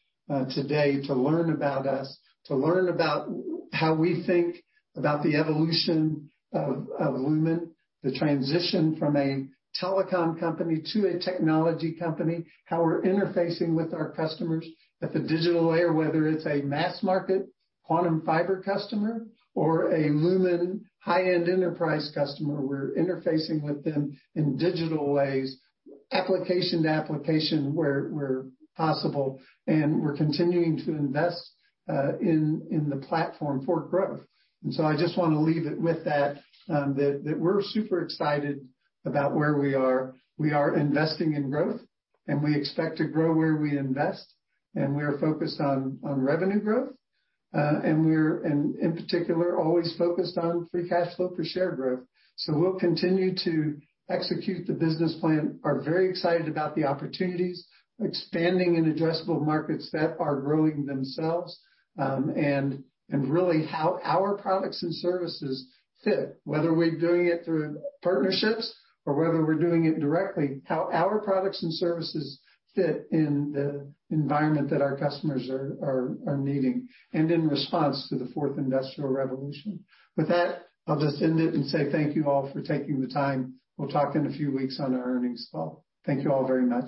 today to learn about us, to learn about how we think about the evolution of Lumen, the transition from a telecom company to a technology company, how we're interfacing with our customers at the digital layer, whether it's a mass market Quantum Fiber customer or a Lumen high-end enterprise customer. We're interfacing with them in digital ways, application to application where possible. We're continuing to invest in the platform for growth. I just want to leave it with that, that we're super excited about where we are. We are investing in growth, and we expect to grow where we invest. We are focused on revenue growth. We are, in particular, always focused on free cash flow for share growth. We will continue to execute the business plan. We are very excited about the opportunities, expanding in addressable markets that are growing themselves, and really how our products and services fit, whether we are doing it through partnerships or whether we are doing it directly, how our products and services fit in the environment that our customers are needing, and in response to the Fourth Industrial Revolution. With that, I will just end it and say thank you all for taking the time. We will talk in a few weeks on our earnings call. Thank you all very much.